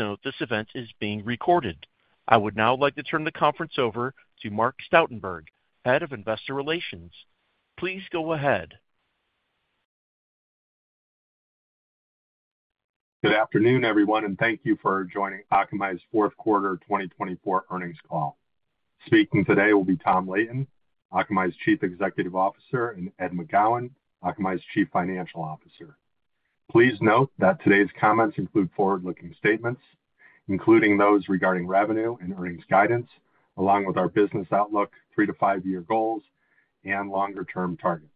Please note this event is being recorded. I would now like to turn the conference over to Mark Stoutenberg, Head of Investor Relations. Please go ahead. Good afternoon, everyone, and thank you for joining Akamai's fourth quarter 2024 earnings call. Speaking today will be Tom Leighton, Akamai's Chief Executive Officer, and Ed McGowan, Akamai's Chief Financial Officer. Please note that today's comments include forward-looking statements, including those regarding revenue and earnings guidance, along with our business outlook, three to five-year goals, and longer-term targets.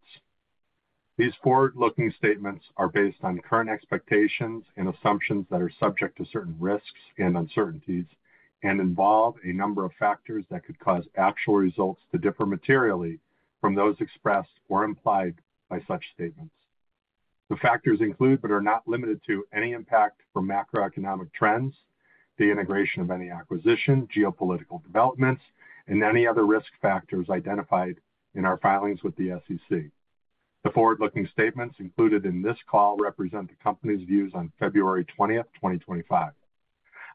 These forward-looking statements are based on current expectations and assumptions that are subject to certain risks and uncertainties and involve a number of factors that could cause actual results to differ materially from those expressed or implied by such statements. The factors include, but are not limited to, any impact from macroeconomic trends, the integration of any acquisition, geopolitical developments, and any other risk factors identified in our filings with the SEC. The forward-looking statements included in this call represent the company's views on February 20th 2025.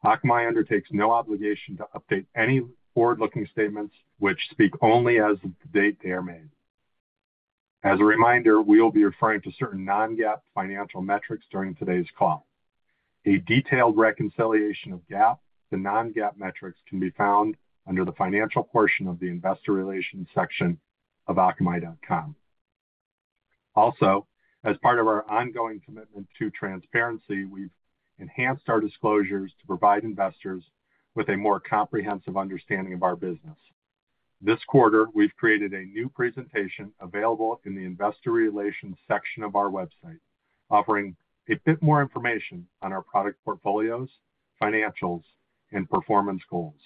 Akamai undertakes no obligation to update any forward-looking statements which speak only as of the date they are made. As a reminder, we will be referring to certain non-GAAP financial metrics during today's call. A detailed reconciliation of GAAP to non-GAAP metrics can be found under the financial portion of the Investor Relations section of Akamai.com. Also, as part of our ongoing commitment to transparency, we've enhanced our disclosures to provide investors with a more comprehensive understanding of our business. This quarter, we've created a new presentation available in the Investor Relations section of our website, offering a bit more information on our product portfolios, financials, and performance goals.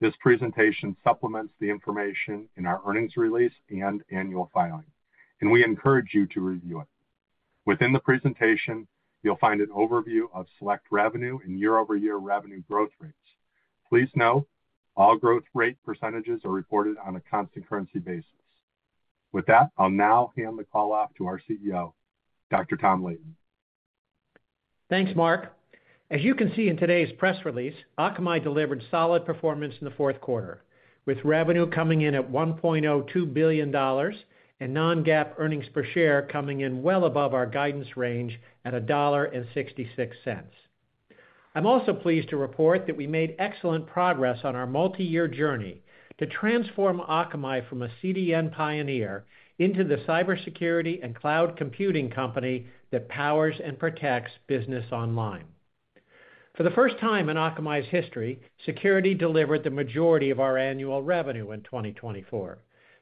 This presentation supplements the information in our earnings release and annual filing, and we encourage you to review it. Within the presentation, you'll find an overview of select revenue and year-over-year revenue growth rates. Please note, all growth rate % are reported on a constant currency basis. With that, I'll now hand the call off to our CEO, Dr. Tom Leighton. Thanks, Mark. As you can see in today's press release, Akamai delivered solid performance in the fourth quarter, with revenue coming in at $1.02 billion and non-GAAP earnings per share coming in well above our guidance range at $1.66. I'm also pleased to report that we made excellent progress on our multi-year journey to transform Akamai from a CDN Pioneer into the cybersecurity and cloud computing company that powers and protects business online. For the first time in Akamai's history, security delivered the majority of our annual revenue in 2024,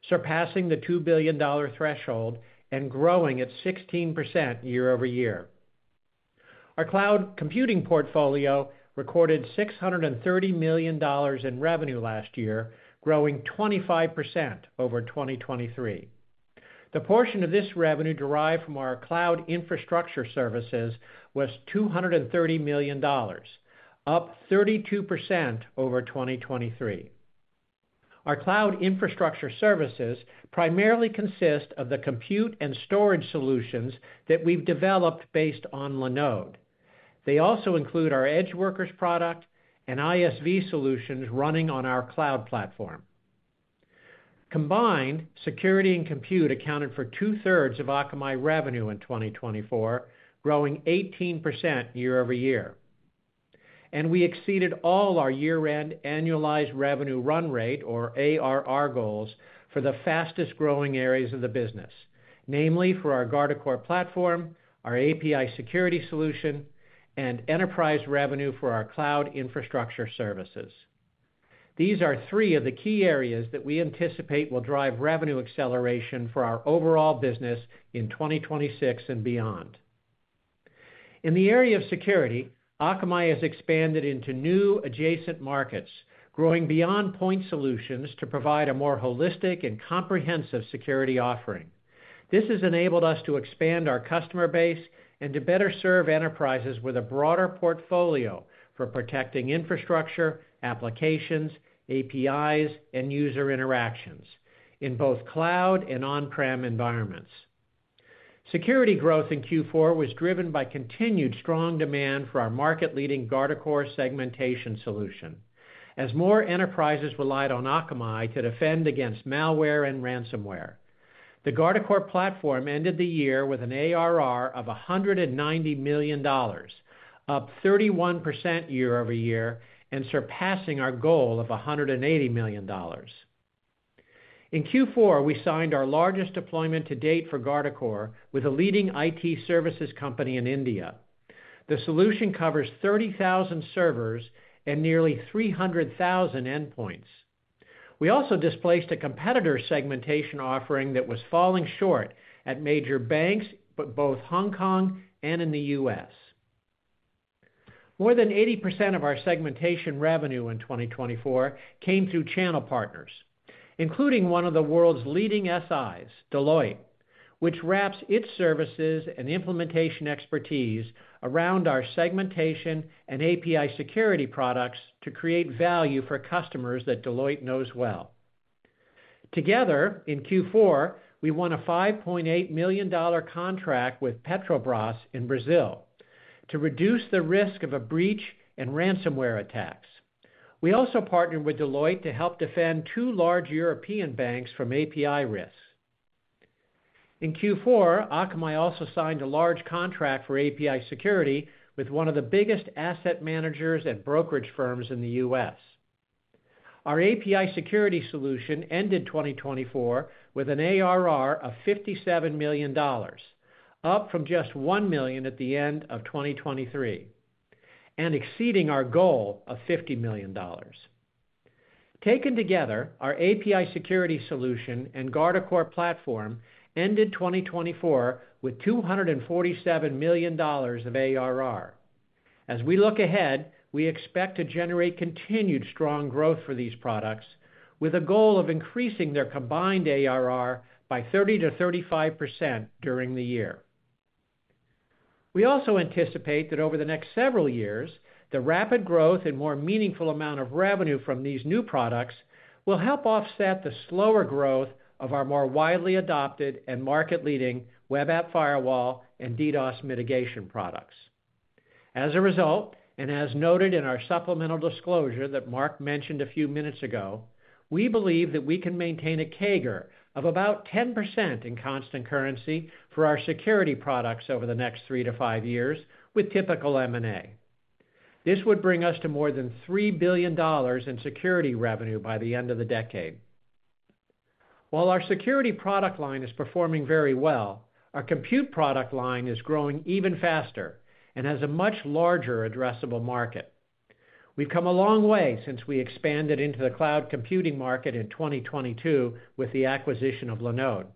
surpassing the $2 billion threshold and growing at 16% year-over-year. Our cloud computing portfolio recorded $630 million in revenue last year, growing 25% over 2023. The portion of this revenue derived from our cloud infrastructure services was $230 million, up 32% over 2023. Our cloud infrastructure services primarily consist of the compute and storage solutions that we've developed based on Linode. They also include our EdgeWorkers product and ISV solutions running on our cloud platform. Combined, security and compute accounted for two-thirds of Akamai revenue in 2024, growing 18% year-over-year, and we exceeded all our year-end annualized revenue run rate, or ARR, goals for the fastest-growing areas of the business, namely for our Guardicore platform, our API security solution, and enterprise revenue for our cloud infrastructure services. These are three of the key areas that we anticipate will drive revenue acceleration for our overall business in 2026 and beyond. In the area of security, Akamai has expanded into new adjacent markets, growing beyond point solutions to provide a more holistic and comprehensive security offering. This has enabled us to expand our customer base and to better serve enterprises with a broader portfolio for protecting infrastructure, applications, APIs, and user interactions in both cloud and on-prem environments. Security growth in Q4 was driven by continued strong demand for our market-leading Guardicore segmentation solution, as more enterprises relied on Akamai to defend against malware and ransomware. The Guardicore platform ended the year with an ARR of $190 million, up 31% year-over-year and surpassing our goal of $180 million. In Q4, we signed our largest deployment to date for Guardicore with a leading IT services company in India. The solution covers 30,000 servers and nearly 300,000 endpoints. We also displaced a competitor segmentation offering that was falling short at major banks, but both Hong Kong and in the U.S. More than 80% of our segmentation revenue in 2024 came through channel partners, including one of the world's leading SIs, Deloitte, which wraps its services and implementation expertise around our segmentation and API security products to create value for customers that Deloitte knows well. Together, in Q4, we won a $5.8 million contract with Petrobras in Brazil to reduce the risk of a breach and ransomware attacks. We also partnered with Deloitte to help defend two large European banks from API risks. In Q4, Akamai also signed a large contract for API security with one of the biggest asset managers and brokerage firms in the U.S. Our API security solution ended 2024 with an ARR of $57 million, up from just $1 million at the end of 2023 and exceeding our goal of $50 million. Taken together, our API security solution and Guardicore platform ended 2024 with $247 million of ARR. As we look ahead, we expect to generate continued strong growth for these products, with a goal of increasing their combined ARR by 30%-35% during the year. We also anticipate that over the next several years, the rapid growth and more meaningful amount of revenue from these new products will help offset the slower growth of our more widely adopted and market-leading web app firewall and DDoS mitigation products. As a result, and as noted in our supplemental disclosure that Mark mentioned a few minutes ago, we believe that we can maintain a CAGR of about 10% in constant currency for our security products over the next three to five years with typical M&A. This would bring us to more than $3 billion in security revenue by the end of the decade. While our security product line is performing very well, our compute product line is growing even faster and has a much larger addressable market. We've come a long way since we expanded into the cloud computing market in 2022 with the acquisition of Linode,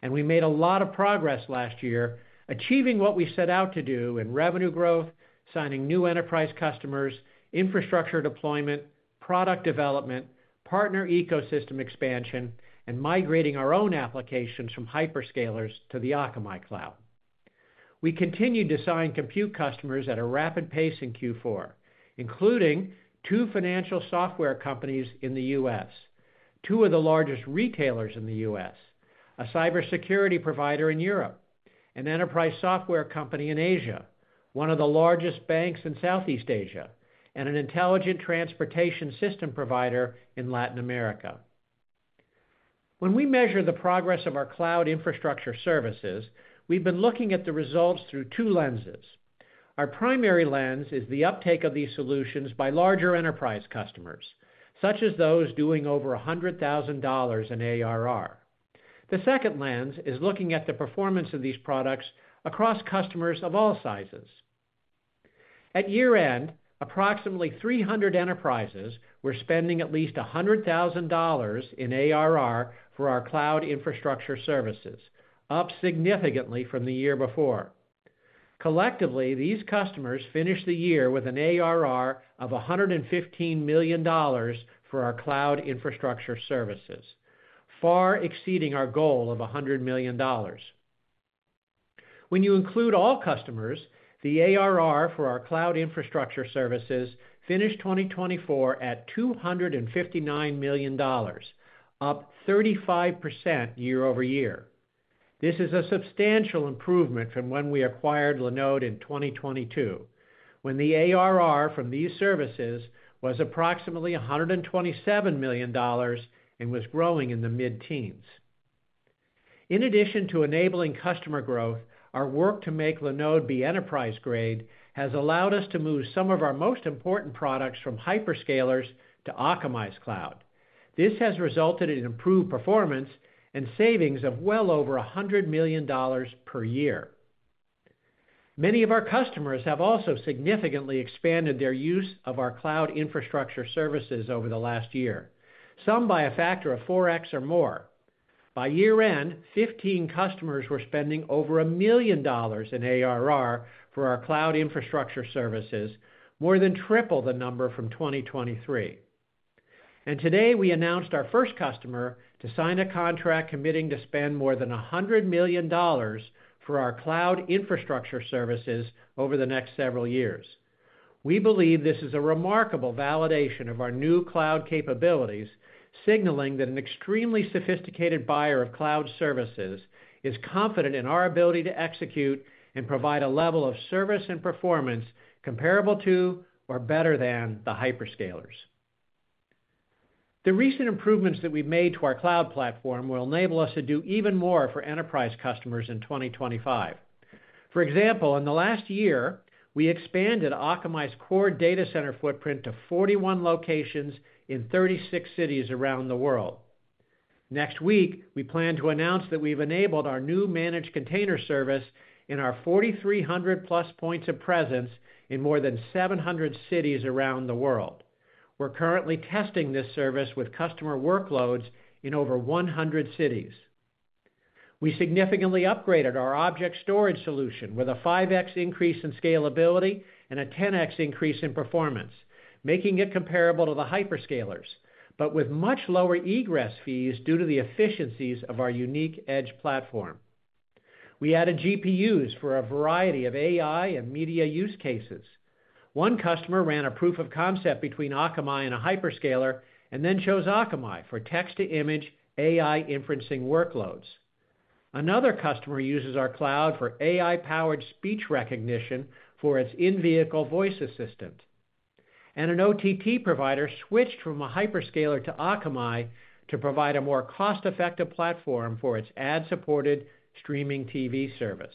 and we made a lot of progress last year, achieving what we set out to do in revenue growth, signing new enterprise customers, infrastructure deployment, product development, partner ecosystem expansion, and migrating our own applications from hyperscalers to the Akamai cloud. We continue to sign compute customers at a rapid pace in Q4, including two financial software companies in the U.S., two of the largest retailers in the U.S., a cybersecurity provider in Europe, an enterprise software company in Asia, one of the largest banks in Southeast Asia, and an intelligent transportation system provider in Latin America. When we measure the progress of our cloud infrastructure services, we've been looking at the results through two lenses. Our primary lens is the uptake of these solutions by larger enterprise customers, such as those doing over $100,000 in ARR. The second lens is looking at the performance of these products across customers of all sizes. At year-end, approximately 300 enterprises were spending at least $100,000 in ARR for our cloud infrastructure services, up significantly from the year before. Collectively, these customers finished the year with an ARR of $115 million for our cloud infrastructure services, far exceeding our goal of $100 million. When you include all customers, the ARR for our cloud infrastructure services finished 2024 at $259 million, up 35% year-over-year. This is a substantial improvement from when we acquired Linode in 2022, when the ARR from these services was approximately $127 million and was growing in the mid-teens. In addition to enabling customer growth, our work to make Linode be enterprise-grade has allowed us to move some of our most important products from hyperscalers to Akamai's cloud. This has resulted in improved performance and savings of well over $100 million per year. Many of our customers have also significantly expanded their use of our cloud infrastructure services over the last year, some by a factor of 4x or more. By year-end, 15 customers were spending over $1 million in ARR for our cloud infrastructure services, more than triple the number from 2023. Today, we announced our first customer to sign a contract committing to spend more than $100 million for our cloud infrastructure services over the next several years. We believe this is a remarkable validation of our new cloud capabilities, signaling that an extremely sophisticated buyer of cloud services is confident in our ability to execute and provide a level of service and performance comparable to or better than the hyperscalers. The recent improvements that we've made to our cloud platform will enable us to do even more for enterprise customers in 2025. For example, in the last year, we expanded Akamai's core data center footprint to 41 locations in 36 cities around the world. Next week, we plan to announce that we've enabled our new managed container service in our 4,300-plus points of presence in more than 700 cities around the world. We're currently testing this service with customer workloads in over 100 cities. We significantly upgraded our object storage solution with a 5x increase in scalability and a 10x increase in performance, making it comparable to the hyperscalers, but with much lower egress fees due to the efficiencies of our unique edge platform. We added GPUs for a variety of AI and media use cases. One customer ran a proof of concept between Akamai and a hyperscaler and then chose Akamai for text-to-image AI inferencing workloads. Another customer uses our cloud for AI-powered speech recognition for its in-vehicle voice assistant. And an OTT provider switched from a hyperscaler to Akamai to provide a more cost-effective platform for its ad-supported streaming TV service.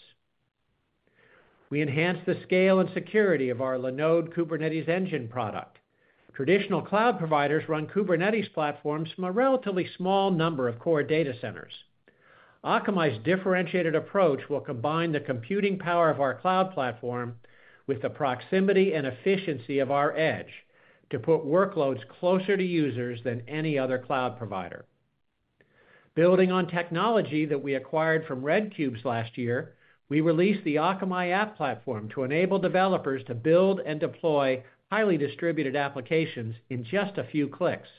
We enhanced the scale and security of our Linode Kubernetes Engine product. Traditional cloud providers run Kubernetes platforms from a relatively small number of core data centers. Akamai's differentiated approach will combine the computing power of our cloud platform with the proximity and efficiency of our edge to put workloads closer to users than any other cloud provider. Building on technology that we acquired from Red Kubes last year, we released the Akamai App Platform to enable developers to build and deploy highly distributed applications in just a few clicks,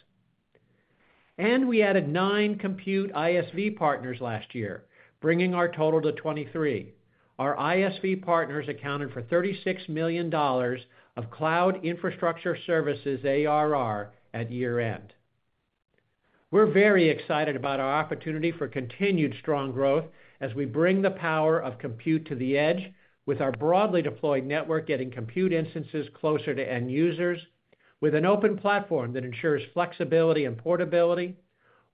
and we added nine compute ISV partners last year, bringing our total to 23. Our ISV partners accounted for $36 million of cloud infrastructure services ARR at year-end. We're very excited about our opportunity for continued strong growth as we bring the power of compute to the edge with our broadly deployed network, getting compute instances closer to end users, with an open platform that ensures flexibility and portability,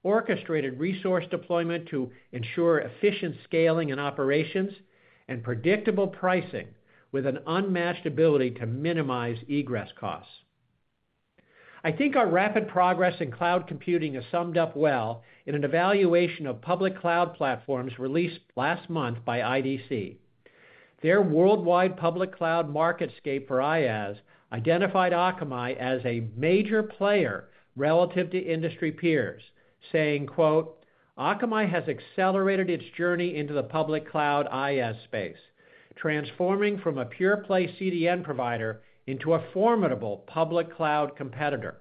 orchestrated resource deployment to ensure efficient scaling and operations, and predictable pricing with an unmatched ability to minimize egress costs. I think our rapid progress in cloud computing is summed up well in an evaluation of public cloud platforms released last month by IDC. Their worldwide public cloud MarketScape for IaaS identified Akamai as a major player relative to industry peers, saying, "Akamai has accelerated its journey into the public cloud IaaS space, transforming from a pure-play CDN provider into a formidable public cloud competitor."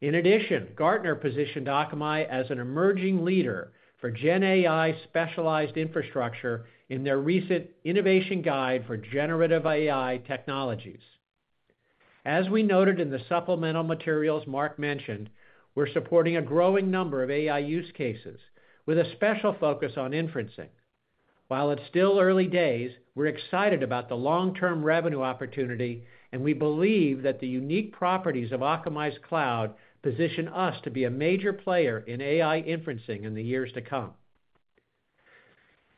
In addition, Gartner positioned Akamai as an emerging leader for GenAI specialized infrastructure in their recent innovation guide for generative AI technologies. As we noted in the supplemental materials Mark mentioned, we're supporting a growing number of AI use cases with a special focus on inferencing. While it's still early days, we're excited about the long-term revenue opportunity, and we believe that the unique properties of Akamai's cloud position us to be a major player in AI inferencing in the years to come.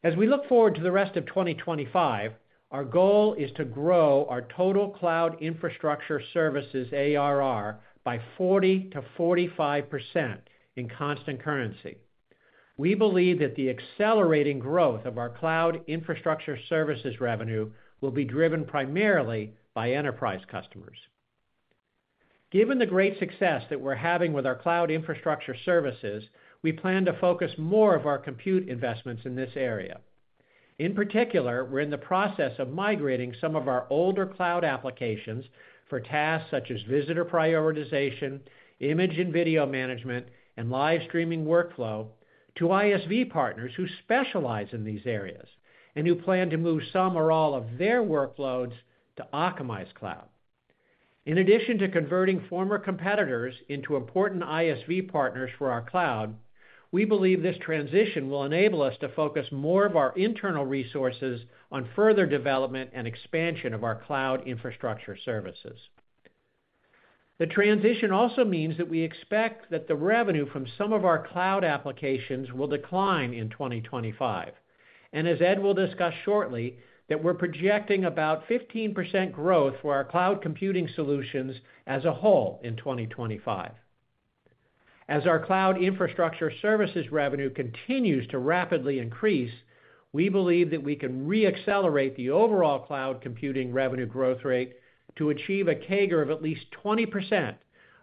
As we look forward to the rest of 2025, our goal is to grow our total cloud infrastructure services ARR by 40%-45% in constant currency. We believe that the accelerating growth of our cloud infrastructure services revenue will be driven primarily by enterprise customers. Given the great success that we're having with our cloud infrastructure services, we plan to focus more of our compute investments in this area. In particular, we're in the process of migrating some of our older cloud applications for tasks such as visitor prioritization, image and video management, and live streaming workflow to ISV partners who specialize in these areas and who plan to move some or all of their workloads to Akamai's cloud. In addition to converting former competitors into important ISV partners for our cloud, we believe this transition will enable us to focus more of our internal resources on further development and expansion of our cloud infrastructure services. The transition also means that we expect that the revenue from some of our cloud applications will decline in 2025, and as Ed will discuss shortly, we're projecting about 15% growth for our cloud computing solutions as a whole in 2025. As our cloud infrastructure services revenue continues to rapidly increase, we believe that we can re-accelerate the overall cloud computing revenue growth rate to achieve a CAGR of at least 20%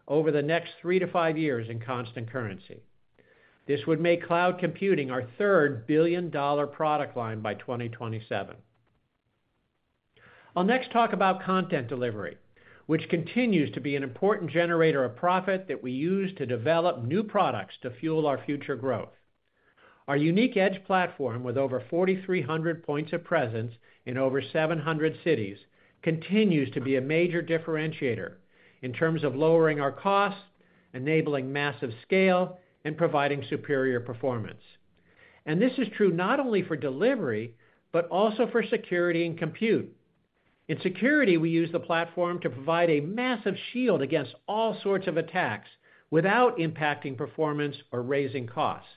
over the next three to five years in constant currency. This would make cloud computing our third billion-dollar product line by 2027. I'll next talk about content delivery, which continues to be an important generator of profit that we use to develop new products to fuel our future growth. Our unique edge platform with over 4,300 points of presence in over 700 cities continues to be a major differentiator in terms of lowering our costs, enabling massive scale, and providing superior performance. And this is true not only for delivery, but also for security and compute. In security, we use the platform to provide a massive shield against all sorts of attacks without impacting performance or raising costs.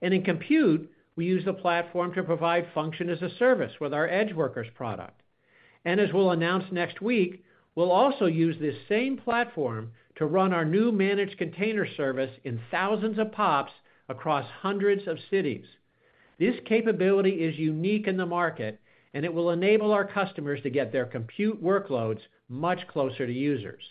In compute, we use the platform to provide function as a service with our EdgeWorkers product. And as we'll announce next week, we'll also use this same platform to run our new managed container service in thousands of PoPs across hundreds of cities. This capability is unique in the market, and it will enable our customers to get their compute workloads much closer to users.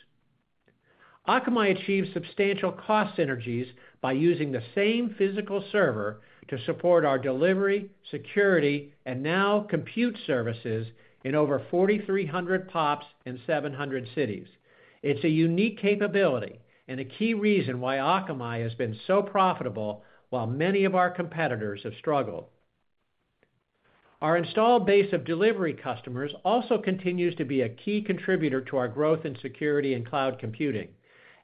Akamai achieves substantial cost synergies by using the same physical server to support our delivery, security, and now compute services in over 4,300 PoPs in 700 cities. It's a unique capability and a key reason why Akamai has been so profitable while many of our competitors have struggled. Our installed base of delivery customers also continues to be a key contributor to our growth in security and cloud computing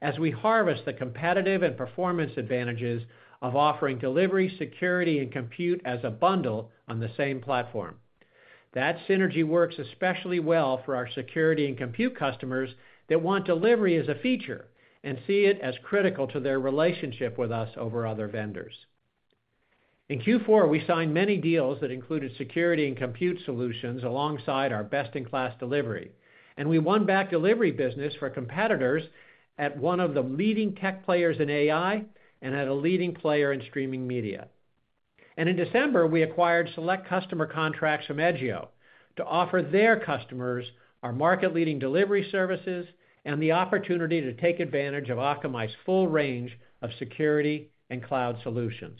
as we harvest the competitive and performance advantages of offering delivery, security, and compute as a bundle on the same platform. That synergy works especially well for our security and compute customers that want delivery as a feature and see it as critical to their relationship with us over other vendors. In Q4, we signed many deals that included security and compute solutions alongside our best-in-class delivery, and we won back delivery business for competitors at one of the leading tech players in AI and at a leading player in streaming media, and in December, we acquired select customer contracts from Edgio to offer their customers our market-leading delivery services and the opportunity to take advantage of Akamai's full range of security and cloud solutions.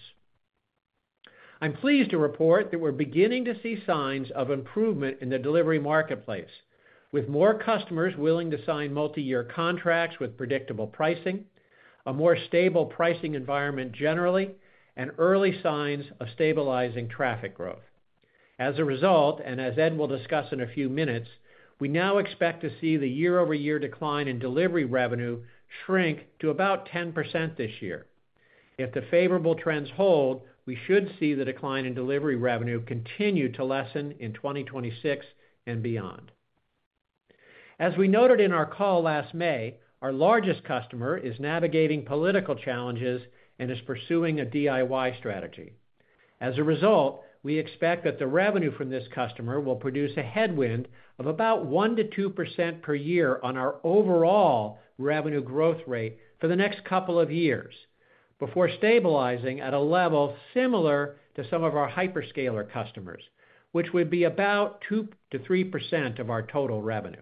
I'm pleased to report that we're beginning to see signs of improvement in the delivery marketplace, with more customers willing to sign multi-year contracts with predictable pricing, a more stable pricing environment generally, and early signs of stabilizing traffic growth. As a result, and as Ed will discuss in a few minutes, we now expect to see the year-over-year decline in delivery revenue shrink to about 10% this year. If the favorable trends hold, we should see the decline in delivery revenue continue to lessen in 2026 and beyond. As we noted in our call last May, our largest customer is navigating political challenges and is pursuing a DIY strategy. As a result, we expect that the revenue from this customer will produce a headwind of about 1%-2% per year on our overall revenue growth rate for the next couple of years before stabilizing at a level similar to some of our hyperscaler customers, which would be about 2%-3% of our total revenue.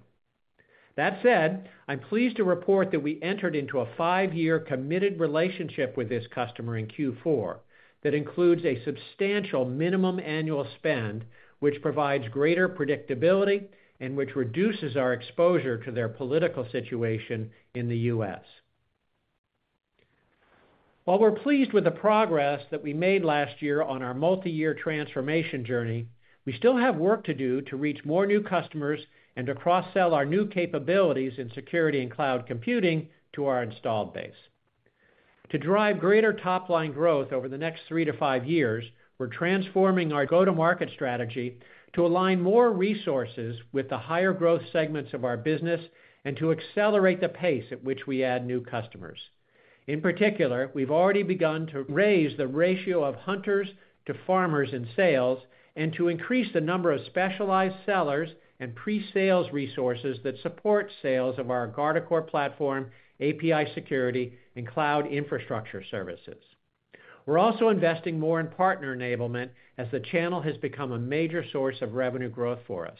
That said, I'm pleased to report that we entered into a five-year committed relationship with this customer in Q4 that includes a substantial minimum annual spend, which provides greater predictability and which reduces our exposure to their political situation in the U.S. While we're pleased with the progress that we made last year on our multi-year transformation journey, we still have work to do to reach more new customers and to cross-sell our new capabilities in security and cloud computing to our installed base. To drive greater top-line growth over the next three to five years, we're transforming our go-to-market strategy to align more resources with the higher growth segments of our business and to accelerate the pace at which we add new customers. In particular, we've already begun to raise the ratio of hunters to farmers in sales and to increase the number of specialized sellers and pre-sales resources that support sales of our Guardicore platform, API security, and cloud infrastructure services. We're also investing more in partner enablement as the channel has become a major source of revenue growth for us.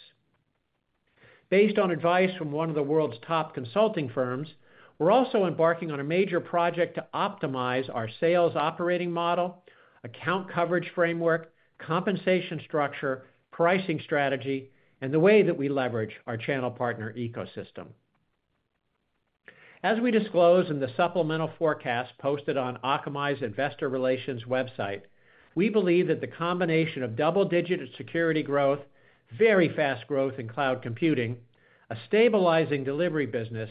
Based on advice from one of the world's top consulting firms, we're also embarking on a major project to optimize our sales operating model, account coverage framework, compensation structure, pricing strategy, and the way that we leverage our channel partner ecosystem. As we disclose in the supplemental forecast posted on Akamai's investor relations website, we believe that the combination of double-digit security growth, very fast growth in cloud computing, a stabilizing delivery business,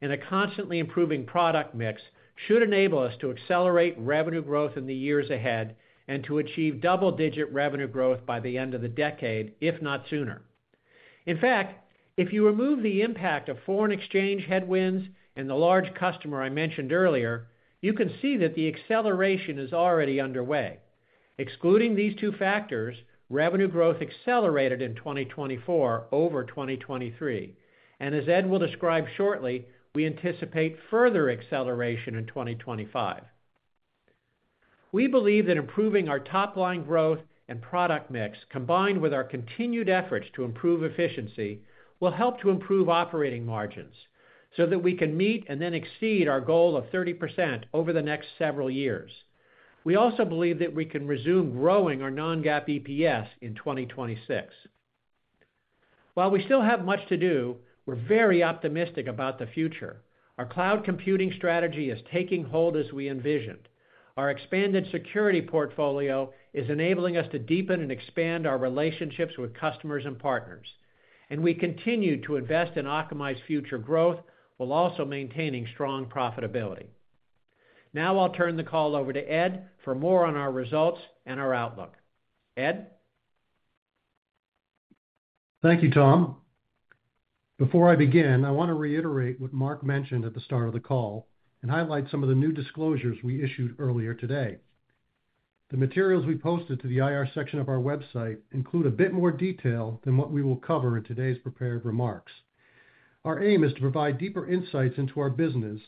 and a constantly improving product mix should enable us to accelerate revenue growth in the years ahead and to achieve double-digit revenue growth by the end of the decade, if not sooner. In fact, if you remove the impact of foreign exchange headwinds and the large customer I mentioned earlier, you can see that the acceleration is already underway. Excluding these two factors, revenue growth accelerated in 2024 over 2023. And as Ed will describe shortly, we anticipate further acceleration in 2025. We believe that improving our top-line growth and product mix, combined with our continued efforts to improve efficiency, will help to improve operating margins so that we can meet and then exceed our goal of 30% over the next several years. We also believe that we can resume growing our non-GAAP EPS in 2026. While we still have much to do, we're very optimistic about the future. Our cloud computing strategy is taking hold as we envisioned. Our expanded security portfolio is enabling us to deepen and expand our relationships with customers and partners. And we continue to invest in Akamai's future growth while also maintaining strong profitability. Now I'll turn the call over to Ed for more on our results and our outlook. Ed? Thank you, Tom. Before I begin, I want to reiterate what Mark mentioned at the start of the call and highlight some of the new disclosures we issued earlier today. The materials we posted to the IR section of our website include a bit more detail than what we will cover in today's prepared remarks. Our aim is to provide deeper insights into our business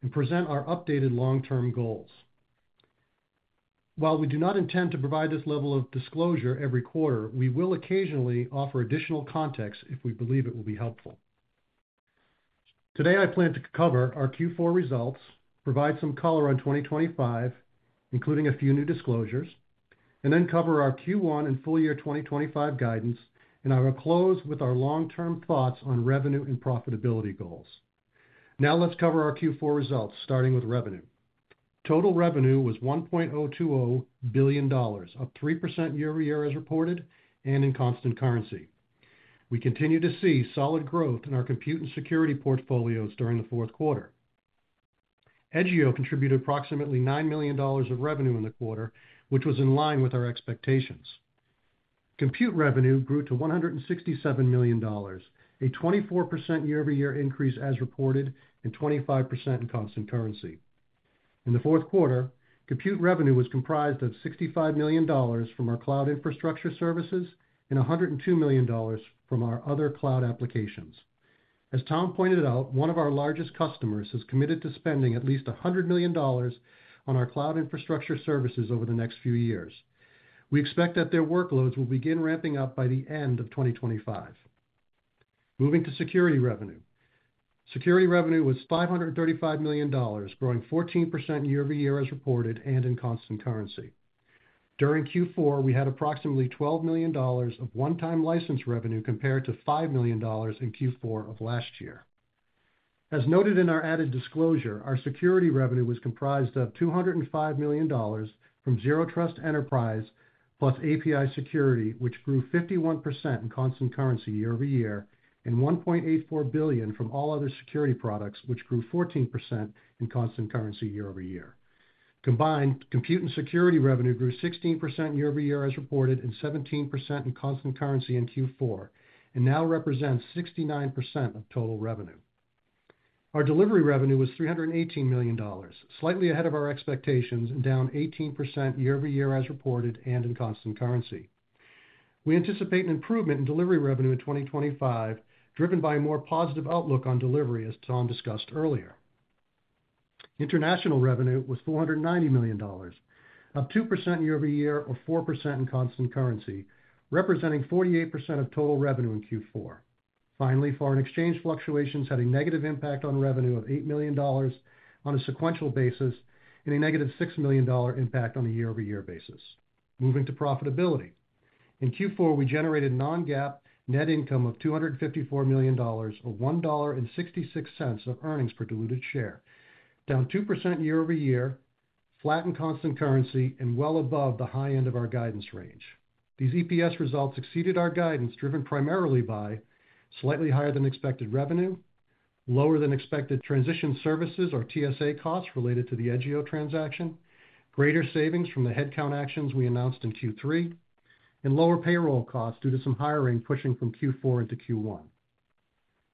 and present our updated long-term goals. While we do not intend to provide this level of disclosure every quarter, we will occasionally offer additional context if we believe it will be helpful. Today, I plan to cover our Q4 results, provide some color on 2025, including a few new disclosures, and then cover our Q1 and full year 2025 guidance, and I will close with our long-term thoughts on revenue and profitability goals. Now let's cover our Q4 results, starting with revenue. Total revenue was $1.020 billion, up 3% year-over-year as reported and in constant currency. We continue to see solid growth in our compute and security portfolios during the fourth quarter. Edgio contributed approximately $9 million of revenue in the quarter, which was in line with our expectations. Compute revenue grew to $167 million, a 24% year-over-year increase as reported and 25% in constant currency. In the fourth quarter, compute revenue was comprised of $65 million from our cloud infrastructure services and $102 million from our other cloud applications. As Tom pointed out, one of our largest customers has committed to spending at least $100 million on our cloud infrastructure services over the next few years. We expect that their workloads will begin ramping up by the end of 2025. Moving to security revenue. Security revenue was $535 million, growing 14% year-over-year as reported and in constant currency. During Q4, we had approximately $12 million of one-time license revenue compared to $5 million in Q4 of last year. As noted in our added disclosure, our security revenue was comprised of $205 million from Zero Trust Enterprise plus API Security, which grew 51% in constant currency year-over-year and $1.84 billion from all other security products, which grew 14% in constant currency year-over-year. Combined, compute and security revenue grew 16% year-over-year as reported and 17% in constant currency in Q4, and now represents 69% of total revenue. Our delivery revenue was $318 million, slightly ahead of our expectations and down 18% year-over-year as reported and in constant currency. We anticipate an improvement in delivery revenue in 2025, driven by a more positive outlook on delivery, as Tom discussed earlier. International revenue was $490 million, up 2% year-over-year or 4% in constant currency, representing 48% of total revenue in Q4. Finally, foreign exchange fluctuations had a negative impact on revenue of $8 million on a sequential basis and a negative $6 million impact on a year-over-year basis. Moving to profitability. In Q4, we generated non-GAAP net income of $254 million or $1.66 of earnings per diluted share, down 2% year-over-year, flat in constant currency, and well above the high end of our guidance range. These EPS results exceeded our guidance, driven primarily by slightly higher than expected revenue, lower than expected transition services or TSA costs related to the Edgio transaction, greater savings from the headcount actions we announced in Q3, and lower payroll costs due to some hiring pushing from Q4 into Q1.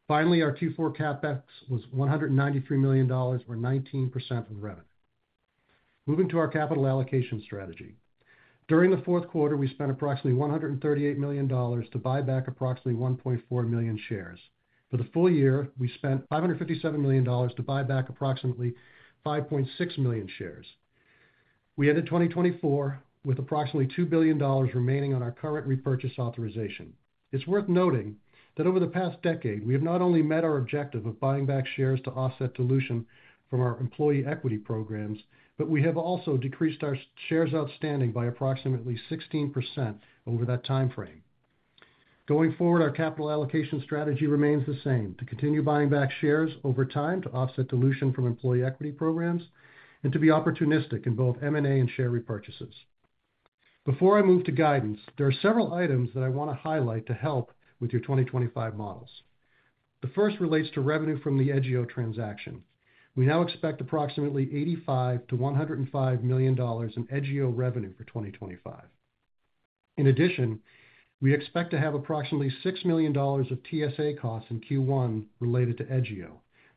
Finally, our Q4 CapEx was $193 million or 19% of revenue. Moving to our capital allocation strategy. During the fourth quarter, we spent approximately $138 million to buy back approximately 1.4 million shares. For the full year, we spent $557 million to buy back approximately 5.6 million shares. We ended 2024 with approximately $2 billion remaining on our current repurchase authorization. It's worth noting that over the past decade, we have not only met our objective of buying back shares to offset dilution from our employee equity programs, but we have also decreased our shares outstanding by approximately 16% over that timeframe. Going forward, our capital allocation strategy remains the same: to continue buying back shares over time to offset dilution from employee equity programs and to be opportunistic in both M&A and share repurchases. Before I move to guidance, there are several items that I want to highlight to help with your 2025 models. The first relates to revenue from the Edgio transaction. We now expect approximately $85-$105 million in Edgio revenue for 2025. In addition, we expect to have approximately $6 million of TSA costs in Q1 related to Edgio.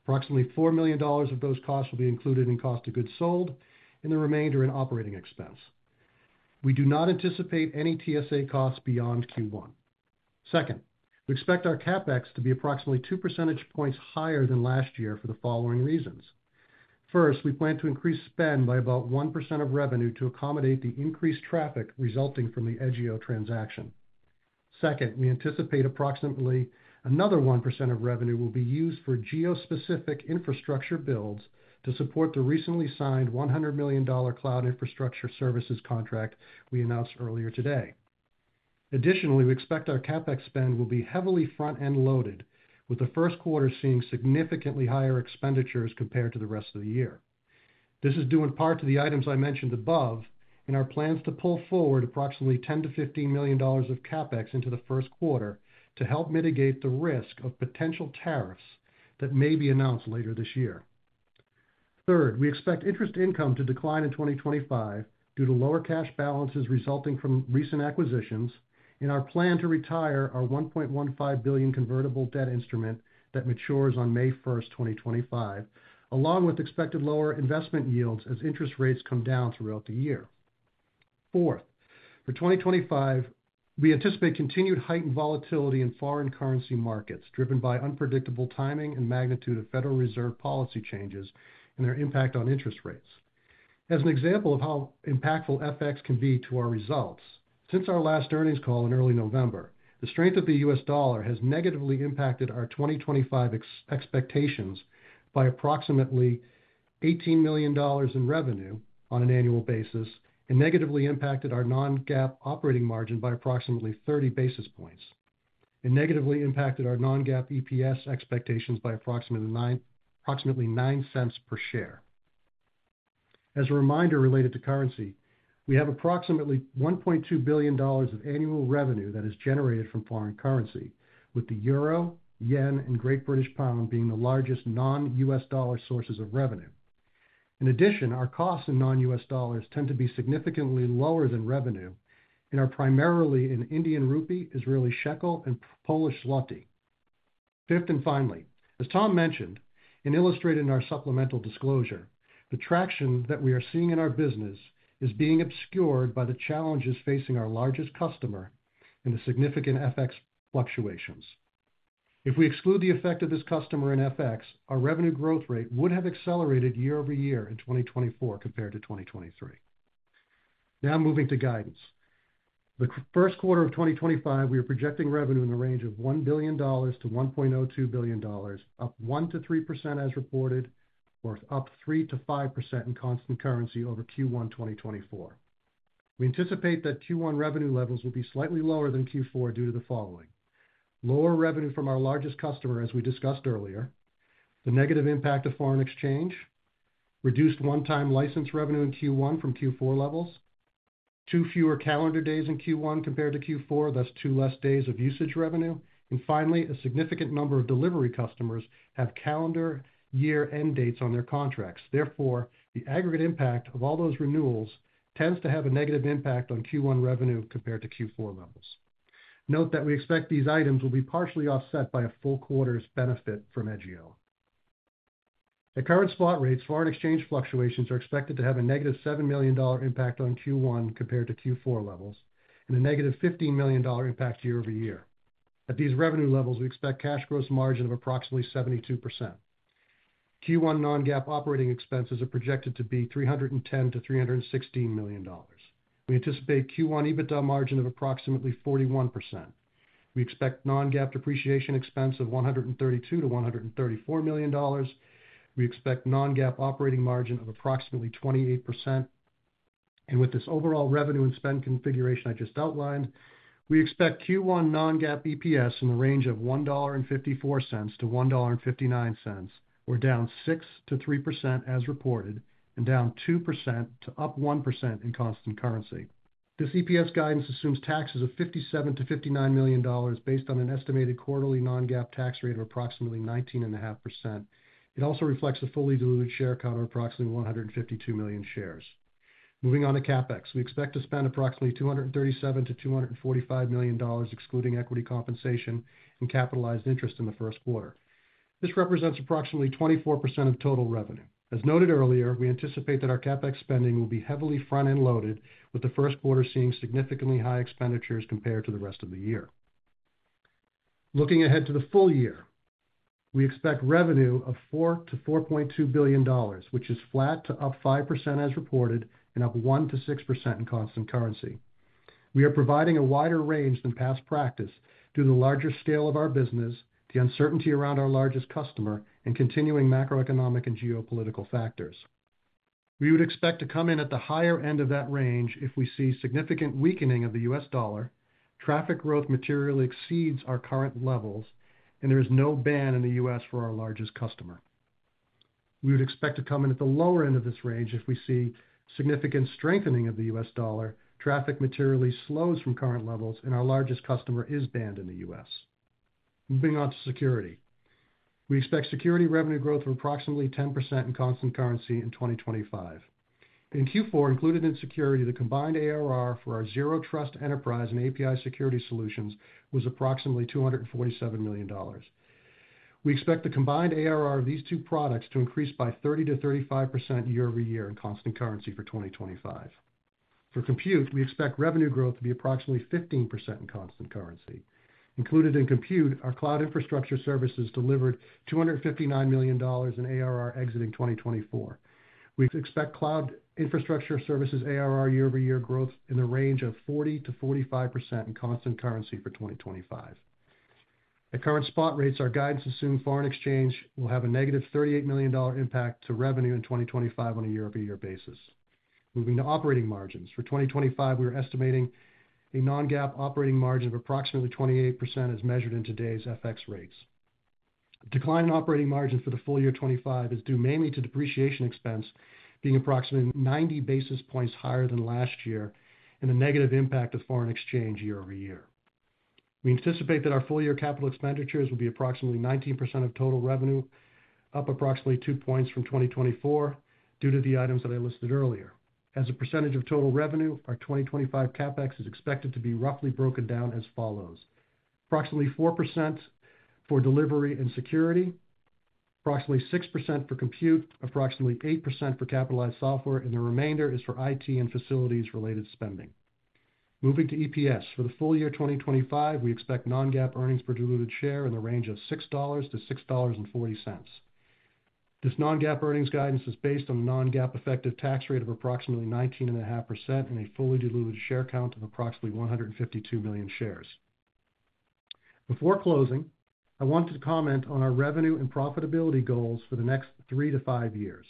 Approximately $4 million of those costs will be included in cost of goods sold, and the remainder in operating expense. We do not anticipate any TSA costs beyond Q1. Second, we expect our CapEx to be approximately 2 percentage points higher than last year for the following reasons. First, we plan to increase spend by about 1% of revenue to accommodate the increased traffic resulting from the Edgio transaction. Second, we anticipate approximately another 1% of revenue will be used for geo-specific infrastructure builds to support the recently signed $100 million cloud infrastructure services contract we announced earlier today. Additionally, we expect our CapEx spend will be heavily front-end loaded, with the first quarter seeing significantly higher expenditures compared to the rest of the year. This is due in part to the items I mentioned above and our plans to pull forward approximately $10 million-$15 million of CapEx into the first quarter to help mitigate the risk of potential tariffs that may be announced later this year. Third, we expect interest income to decline in 2025 due to lower cash balances resulting from recent acquisitions, and our plan to retire our $1.15 billion convertible debt instrument that matures on May 1st, 2025, along with expected lower investment yields as interest rates come down throughout the year. Fourth, for 2025, we anticipate continued heightened volatility in foreign currency markets driven by unpredictable timing and magnitude of Federal Reserve policy changes and their impact on interest rates. As an example of how impactful FX can be to our results, since our last earnings call in early November, the strength of the U.S. dollar has negatively impacted our 2025 expectations by approximately $18 million in revenue on an annual basis and negatively impacted our non-GAAP operating margin by approximately 30 basis points and negatively impacted our non-GAAP EPS expectations by approximately $0.09 per share. As a reminder related to currency, we have approximately $1.2 billion of annual revenue that is generated from foreign currency, with the euro, yen, and Great British pound being the largest non-U.S. dollar sources of revenue. In addition, our costs in non-U.S. dollars tend to be significantly lower than revenue and are primarily in Indian rupee, Israeli shekel, and Polish zloty. Fifth and finally, as Tom mentioned and illustrated in our supplemental disclosure, the traction that we are seeing in our business is being obscured by the challenges facing our largest customer and the significant FX fluctuations. If we exclude the effect of this customer in FX, our revenue growth rate would have accelerated year-over-year in 2024 compared to 2023. Now moving to guidance. The first quarter of 2025, we are projecting revenue in the range of $1 billion-$1.02 billion, up 1%-3% as reported, or up 3%-5% in constant currency over Q1 2024. We anticipate that Q1 revenue levels will be slightly lower than Q4 due to the following: lower revenue from our largest customer, as we discussed earlier, the negative impact of foreign exchange, reduced one-time license revenue in Q1 from Q4 levels, two fewer calendar days in Q1 compared to Q4, thus two less days of usage revenue, and finally, a significant number of delivery customers have calendar year-end dates on their contracts. Therefore, the aggregate impact of all those renewals tends to have a negative impact on Q1 revenue compared to Q4 levels. Note that we expect these items will be partially offset by a full quarter's benefit from Edgio. At current spot rates, foreign exchange fluctuations are expected to have a negative $7 million impact on Q1 compared to Q4 levels and a negative $15 million impact year-over-year. At these revenue levels, we expect cash gross margin of approximately 72%. Q1 non-GAAP operating expenses are projected to be $310 million-$316 million. We anticipate Q1 EBITDA margin of approximately 41%. We expect non-GAAP depreciation expense of $132 million-$134 million. We expect non-GAAP operating margin of approximately 28%, and with this overall revenue and spend configuration I just outlined, we expect Q1 non-GAAP EPS in the range of $1.54-$1.59, or down 6% to 3% as reported and down 2% to up 1% in constant currency. This EPS guidance assumes taxes of $57 million-$59 million based on an estimated quarterly non-GAAP tax rate of approximately 19.5%. It also reflects a fully diluted share count of approximately 152 million shares. Moving on to CapEx, we expect to spend approximately $237 million-$245 million, excluding equity compensation and capitalized interest in the first quarter. This represents approximately 24% of total revenue. As noted earlier, we anticipate that our CapEx spending will be heavily front-end loaded, with the first quarter seeing significantly high expenditures compared to the rest of the year. Looking ahead to the full year, we expect revenue of $4 billion-$4.2 billion, which is flat to up 5% as reported and up 1%-6% in constant currency. We are providing a wider range than past practice due to the larger scale of our business, the uncertainty around our largest customer, and continuing macroeconomic and geopolitical factors. We would expect to come in at the higher end of that range if we see significant weakening of the U.S. dollar, traffic growth materially exceeds our current levels, and there is no ban in the U.S. for our largest customer. We would expect to come in at the lower end of this range if we see significant strengthening of the U.S. dollar, traffic materially slows from current levels, and our largest customer is banned in the U.S. Moving on to security, we expect security revenue growth of approximately 10% in constant currency in 2025. In Q4, included in security, the combined ARR for our Zero Trust Enterprise and API security solutions was approximately $247 million. We expect the combined ARR of these two products to increase by 30%-35% year-over-year in constant currency for 2025. For compute, we expect revenue growth to be approximately 15% in constant currency. Included in compute, our cloud infrastructure services delivered $259 million in ARR exiting 2024. We expect cloud infrastructure services ARR year-over-year growth in the range of 40%-45% in constant currency for 2025. At current spot rates, our guidance assumes foreign exchange will have a negative $38 million impact to revenue in 2025 on a year-over-year basis. Moving to operating margins, for 2025, we are estimating a non-GAAP operating margin of approximately 28% as measured in today's FX rates. Decline in operating margins for the full year 2025 is due mainly to depreciation expense being approximately 90 basis points higher than last year and the negative impact of foreign exchange year-over-year. We anticipate that our full-year capital expenditures will be approximately 19% of total revenue, up approximately 2 points from 2024 due to the items that I listed earlier. As a percentage of total revenue, our 2025 CapEx is expected to be roughly broken down as follows: approximately 4% for delivery and security, approximately 6% for compute, approximately 8% for capitalized software, and the remainder is for IT and facilities-related spending. Moving to EPS, for the full year 2025, we expect non-GAAP earnings per diluted share in the range of $6-$6.40. This non-GAAP earnings guidance is based on the non-GAAP effective tax rate of approximately 19.5% and a fully diluted share count of approximately 152 million shares. Before closing, I want to comment on our revenue and profitability goals for the next three to five years.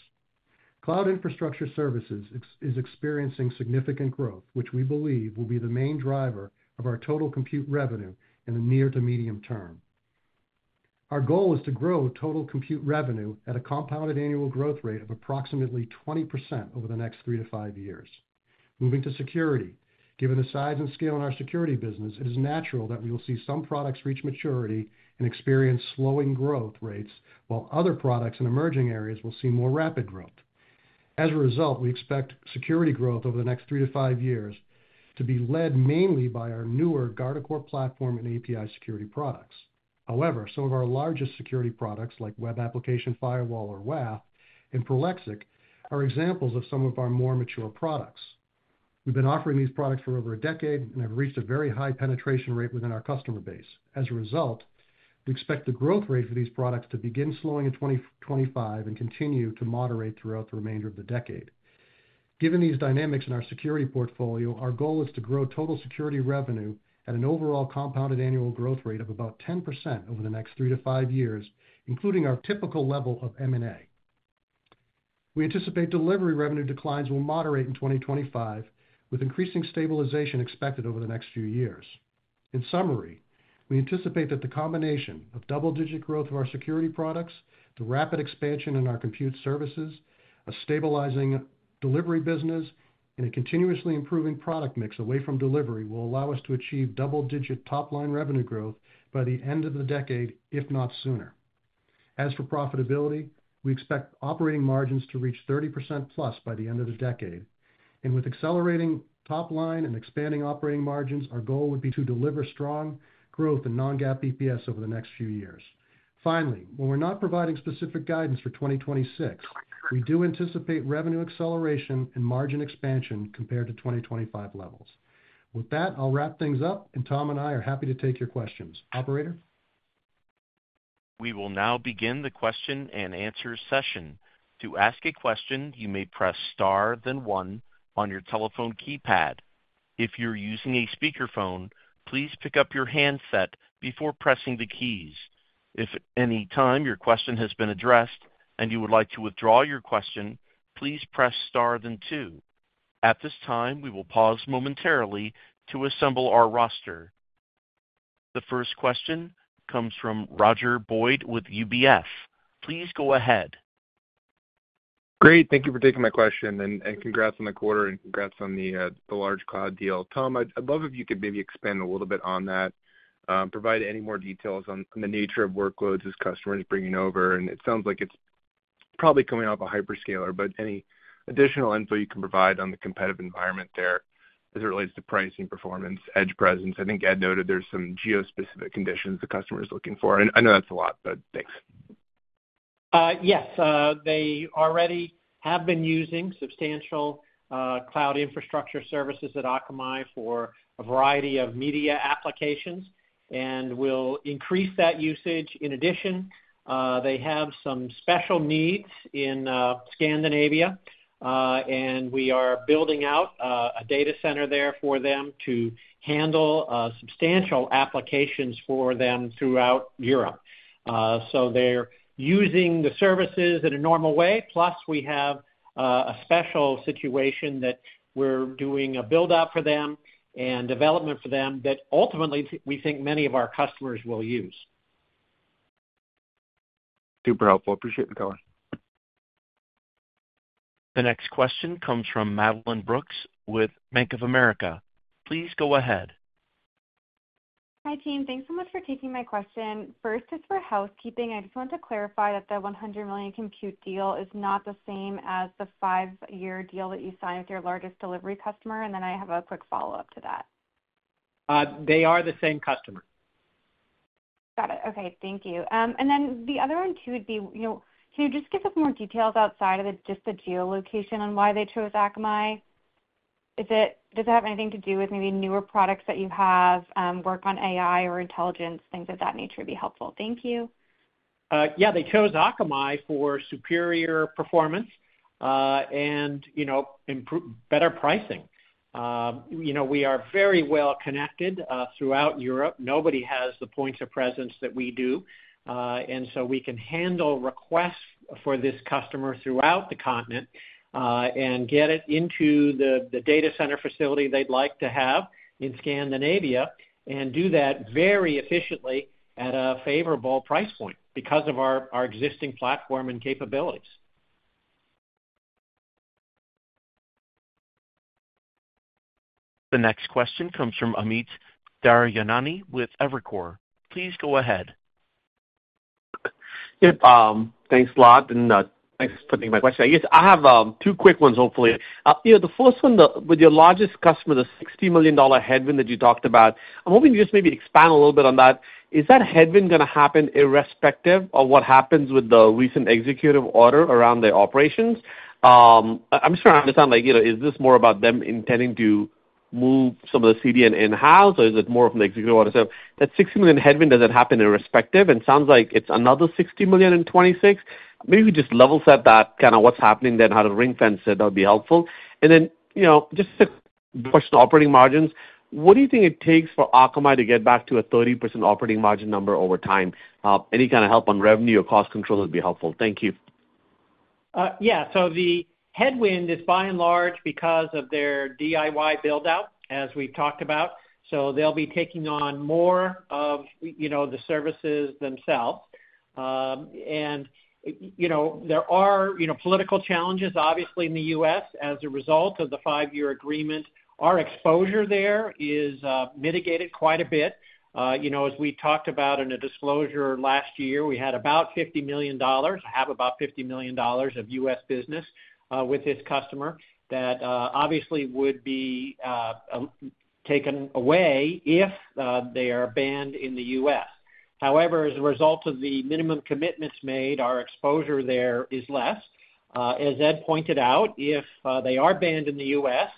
Cloud infrastructure services is experiencing significant growth, which we believe will be the main driver of our total compute revenue in the near to medium term. Our goal is to grow total compute revenue at a compounded annual growth rate of approximately 20% over the next three to five years. Moving to security, given the size and scale in our security business, it is natural that we will see some products reach maturity and experience slowing growth rates, while other products in emerging areas will see more rapid growth. As a result, we expect security growth over the next three to five years to be led mainly by our newer Guardicore platform and API security products. However, some of our largest security products, like Web Application Firewall or WAF and Prolexic, are examples of some of our more mature products. We've been offering these products for over a decade and have reached a very high penetration rate within our customer base. As a result, we expect the growth rate for these products to begin slowing in 2025 and continue to moderate throughout the remainder of the decade. Given these dynamics in our security portfolio, our goal is to grow total security revenue at an overall compounded annual growth rate of about 10% over the next three to five years, including our typical level of M&A. We anticipate delivery revenue declines will moderate in 2025, with increasing stabilization expected over the next few years. In summary, we anticipate that the combination of double-digit growth of our security products, the rapid expansion in our compute services, a stabilizing delivery business, and a continuously improving product mix away from delivery will allow us to achieve double-digit top-line revenue growth by the end of the decade, if not sooner. As for profitability, we expect operating margins to reach 30%+ by the end of the decade. And with accelerating top-line and expanding operating margins, our goal would be to deliver strong growth in non-GAAP EPS over the next few years. Finally, while we're not providing specific guidance for 2026, we do anticipate revenue acceleration and margin expansion compared to 2025 levels. With that, I'll wrap things up, and Tom and I are happy to take your questions. Operator? We will now begin the question and answer session. To ask a question, you may press star then one on your telephone keypad. If you're using a speakerphone, please pick up your handset before pressing the keys. If at any time your question has been addressed and you would like to withdraw your question, please press star then two. At this time, we will pause momentarily to assemble our roster. The first question comes from Roger Boyd with UBS. Please go ahead. Great. Thank you for taking my question and congrats on the quarter and congrats on the large cloud deal. Tom, I'd love if you could maybe expand a little bit on that, provide any more details on the nature of workloads as customers bringing over, and it sounds like it's probably coming off a hyperscaler, but any additional info you can provide on the competitive environment there as it relates to pricing, performance, edge presence. I think Ed noted there's some geo-specific conditions the customer is looking for, and I know that's a lot, but thanks. Yes. They already have been using substantial cloud infrastructure services at Akamai for a variety of media applications and will increase that usage. In addition, they have some special needs in Scandinavia, and we are building out a data center there for them to handle substantial applications for them throughout Europe. So they're using the services in a normal way. Plus, we have a special situation that we're doing a build-out for them and development for them that ultimately we think many of our customers will use. Super helpful. Appreciate it, Tom. The next question comes from Madeline Brooks with Bank of America. Please go ahead. Hi, team. Thanks so much for taking my question. First, just for housekeeping, I just want to clarify that the $100 million compute deal is not the same as the five-year deal that you signed with your largest delivery customer. And then I have a quick follow-up to that. They are the same customer. Got it. Okay. Thank you. And then the other one too would be, can you just give us more details outside of just the geolocation on why they chose Akamai? Does it have anything to do with maybe newer products that you have, work on AI or intelligence? Things of that nature would be helpful. Thank you. Yeah. They chose Akamai for superior performance and better pricing. We are very well connected throughout Europe. Nobody has the points of presence that we do. And so we can handle requests for this customer throughout the continent and get it into the data center facility they'd like to have in Scandinavia and do that very efficiently at a favorable price point because of our existing platform and capabilities. The next question comes from Amit Daryanani with Evercore. Please go ahead. Thanks a lot and thanks for taking my question. I have two quick ones, hopefully. The first one with your largest customer, the $60 million headwind that you talked about, I'm hoping you just maybe expand a little bit on that. Is that headwind going to happen irrespective of what happens with the recent executive order around their operations? I'm just trying to understand, is this more about them intending to move some of the CDN in-house, or is it more from the executive order? So that $60 million headwind, does it happen irrespective? And it sounds like it's another $60 million in 2026. Maybe we could just level set that, kind of what's happening then, how to ring-fence it, that would be helpful. And then just a question on operating margins. What do you think it takes for Akamai to get back to a 30% operating margin number over time? Any kind of help on revenue or cost control would be helpful. Thank you. Yeah. So the headwind is by and large because of their DIY build-out, as we've talked about. They'll be taking on more of the services themselves. And there are political challenges, obviously, in the U.S. as a result of the five-year agreement. Our exposure there is mitigated quite a bit. As we talked about in a disclosure last year, we had about $50 million, have about $50 million of U.S. business with this customer that obviously would be taken away if they are banned in the U.S. However, as a result of the minimum commitments made, our exposure there is less. As Ed pointed out, if they are banned in the U.S.,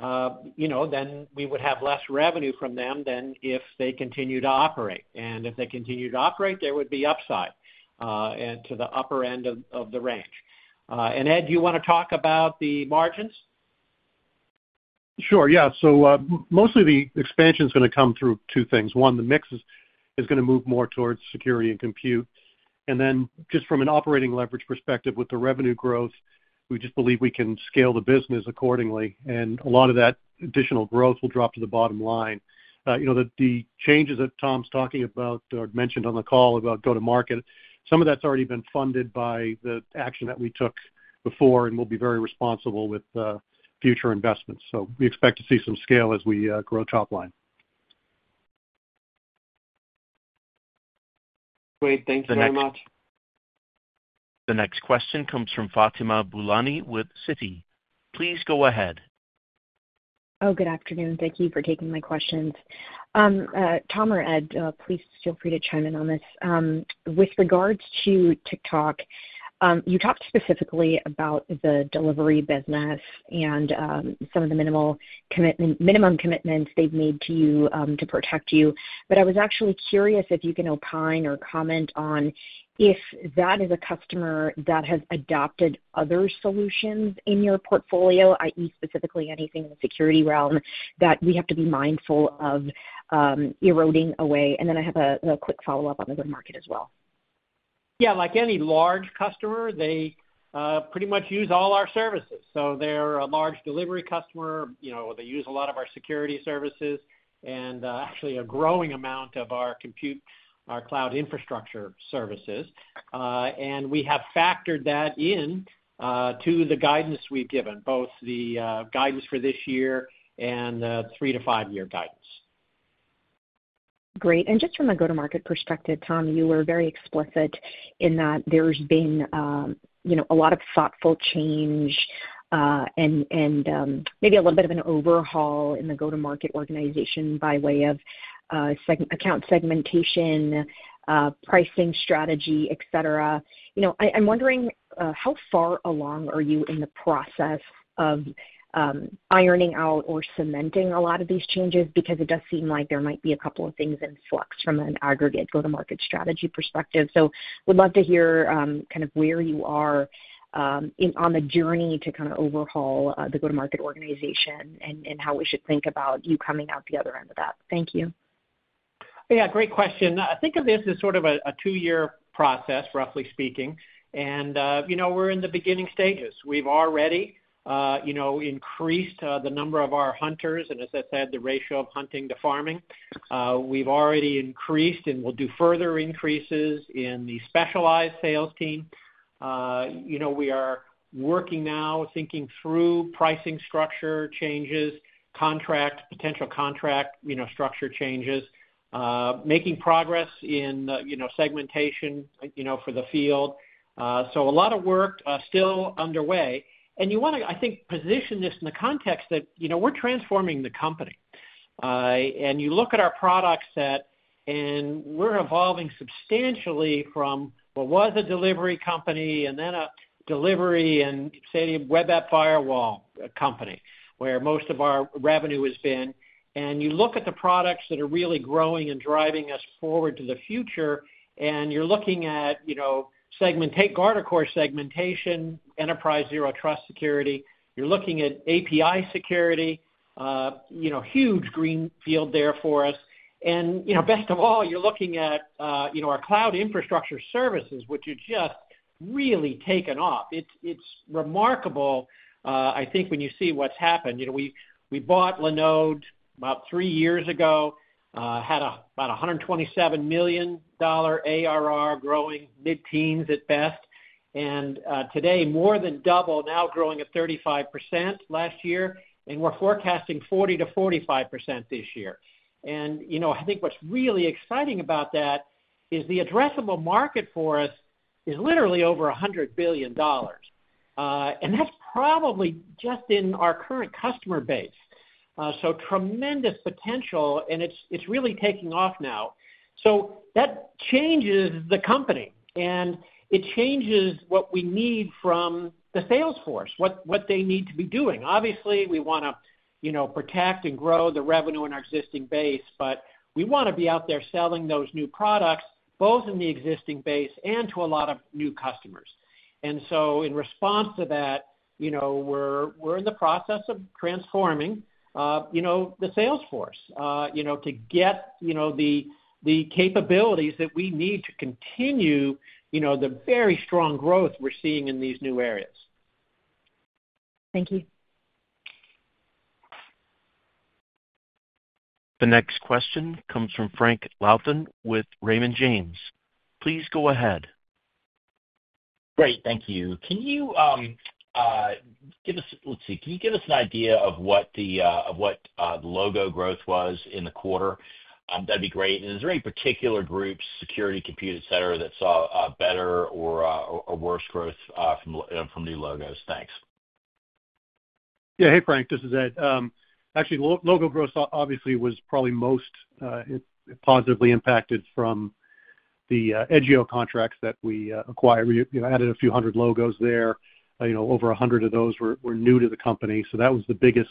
then we would have less revenue from them than if they continue to operate. And if they continue to operate, there would be upside to the upper end of the range. And Ed, do you want to talk about the margins? Sure. Yeah. So mostly the expansion is going to come through two things. One, the mix is going to move more towards security and compute. And then just from an operating leverage perspective, with the revenue growth, we just believe we can scale the business accordingly. And a lot of that additional growth will drop to the bottom line. The changes that Tom's talking about or mentioned on the call about go-to-market, some of that's already been funded by the action that we took before and will be very responsible with future investments. So we expect to see some scale as we grow top line. Great. Thank you very much. The next question comes from Fatima Boolani with Citi. Please go ahead. Oh, good afternoon. Thank you for taking my questions. Tom or Ed, please feel free to chime in on this. With regards to TikTok, you talked specifically about the delivery business and some of the minimum commitments they've made to you to protect you. But I was actually curious if you can opine or comment on if that is a customer that has adopted other solutions in your portfolio, i.e., specifically anything in the security realm that we have to be mindful of eroding away. And then I have a quick follow-up on the go-to-market as well. Yeah. Like any large customer, they pretty much use all our services. So they're a large delivery customer. They use a lot of our security services and actually a growing amount of our compute, our cloud infrastructure services. And we have factored that into the guidance we've given, both the guidance for this year and the three to five-year guidance. Great. And just from a go-to-market perspective, Tom, you were very explicit in that there's been a lot of thoughtful change and maybe a little bit of an overhaul in the go-to-market organization by way of account segmentation, pricing strategy, etc. I'm wondering how far along are you in the process of ironing out or cementing a lot of these changes because it does seem like there might be a couple of things in flux from an aggregate go-to-market strategy perspective. So would love to hear kind of where you are on the journey to kind of overhaul the go-to-market organization and how we should think about you coming out the other end of that. Thank you. Yeah. Great question. I think of this as sort of a two-year process, roughly speaking. And we're in the beginning stages. We've already increased the number of our hunters and, as I said, the ratio of hunting to farming. We've already increased and will do further increases in the specialized sales team. We are working now, thinking through pricing structure changes, contract, potential contract structure changes, making progress in segmentation for the field. So a lot of work still underway. You want to, I think, position this in the context that we're transforming the company. You look at our products that, and we're evolving substantially from what was a delivery company and then a delivery and, say, a Web App Firewall company where most of our revenue has been. You look at the products that are really growing and driving us forward to the future, and you're looking at Guardicore segmentation, Enterprise Zero Trust security. You're looking at API security, huge greenfield there for us. And best of all, you're looking at our cloud infrastructure services, which have just really taken off. It's remarkable, I think, when you see what's happened. We bought Linode about three years ago, had about a $127 million ARR growing, mid-teens at best. And today, more than double, now growing at 35% last year. And we're forecasting 40%-45% this year. And I think what's really exciting about that is the addressable market for us is literally over $100 billion. And that's probably just in our current customer base. So tremendous potential, and it's really taking off now. So that changes the company, and it changes what we need from the salesforce, what they need to be doing. Obviously, we want to protect and grow the revenue in our existing base, but we want to be out there selling those new products both in the existing base and to a lot of new customers. And so in response to that, we're in the process of transforming the sales force to get the capabilities that we need to continue the very strong growth we're seeing in these new areas. Thank you. The next question comes from Frank Louthen with Raymond James. Please go ahead. Great. Thank you. Can you give us, let's see, can you give us an idea of what the logo growth was in the quarter? That'd be great. And is there any particular group, security, compute, etc., that saw better or worse growth from new logos? Thanks. Yeah. Hey, Frank. This is Ed. Actually, logo growth obviously was probably most positively impacted from the Edgio contracts that we acquired. We added a few hundred logos there. Over a hundred of those were new to the company. So that was the biggest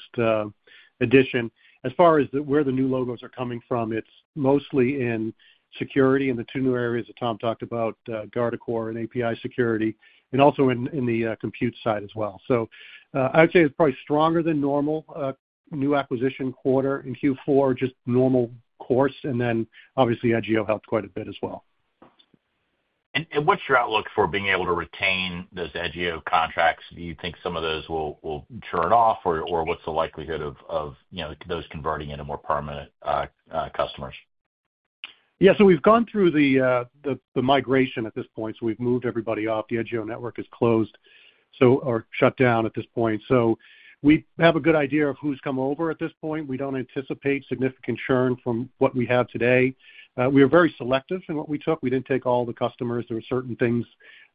addition. As far as where the new logos are coming from, it's mostly in security in the two new areas that Tom talked about, Guardicore and API security, and also in the compute side as well. So I would say it's probably stronger than normal, new acquisition quarter in Q4, just normal course. And then obviously, Edgio helped quite a bit as well. And what's your outlook for being able to retain those Edgio contracts? Do you think some of those will churn off, or what's the likelihood of those converting into more permanent customers? Yeah. So we've gone through the migration at this point. So we've moved everybody off. The Edgio network is closed or shut down at this point. So we have a good idea of who's come over at this point. We don't anticipate significant churn from what we have today. We were very selective in what we took. We didn't take all the customers. There were certain things,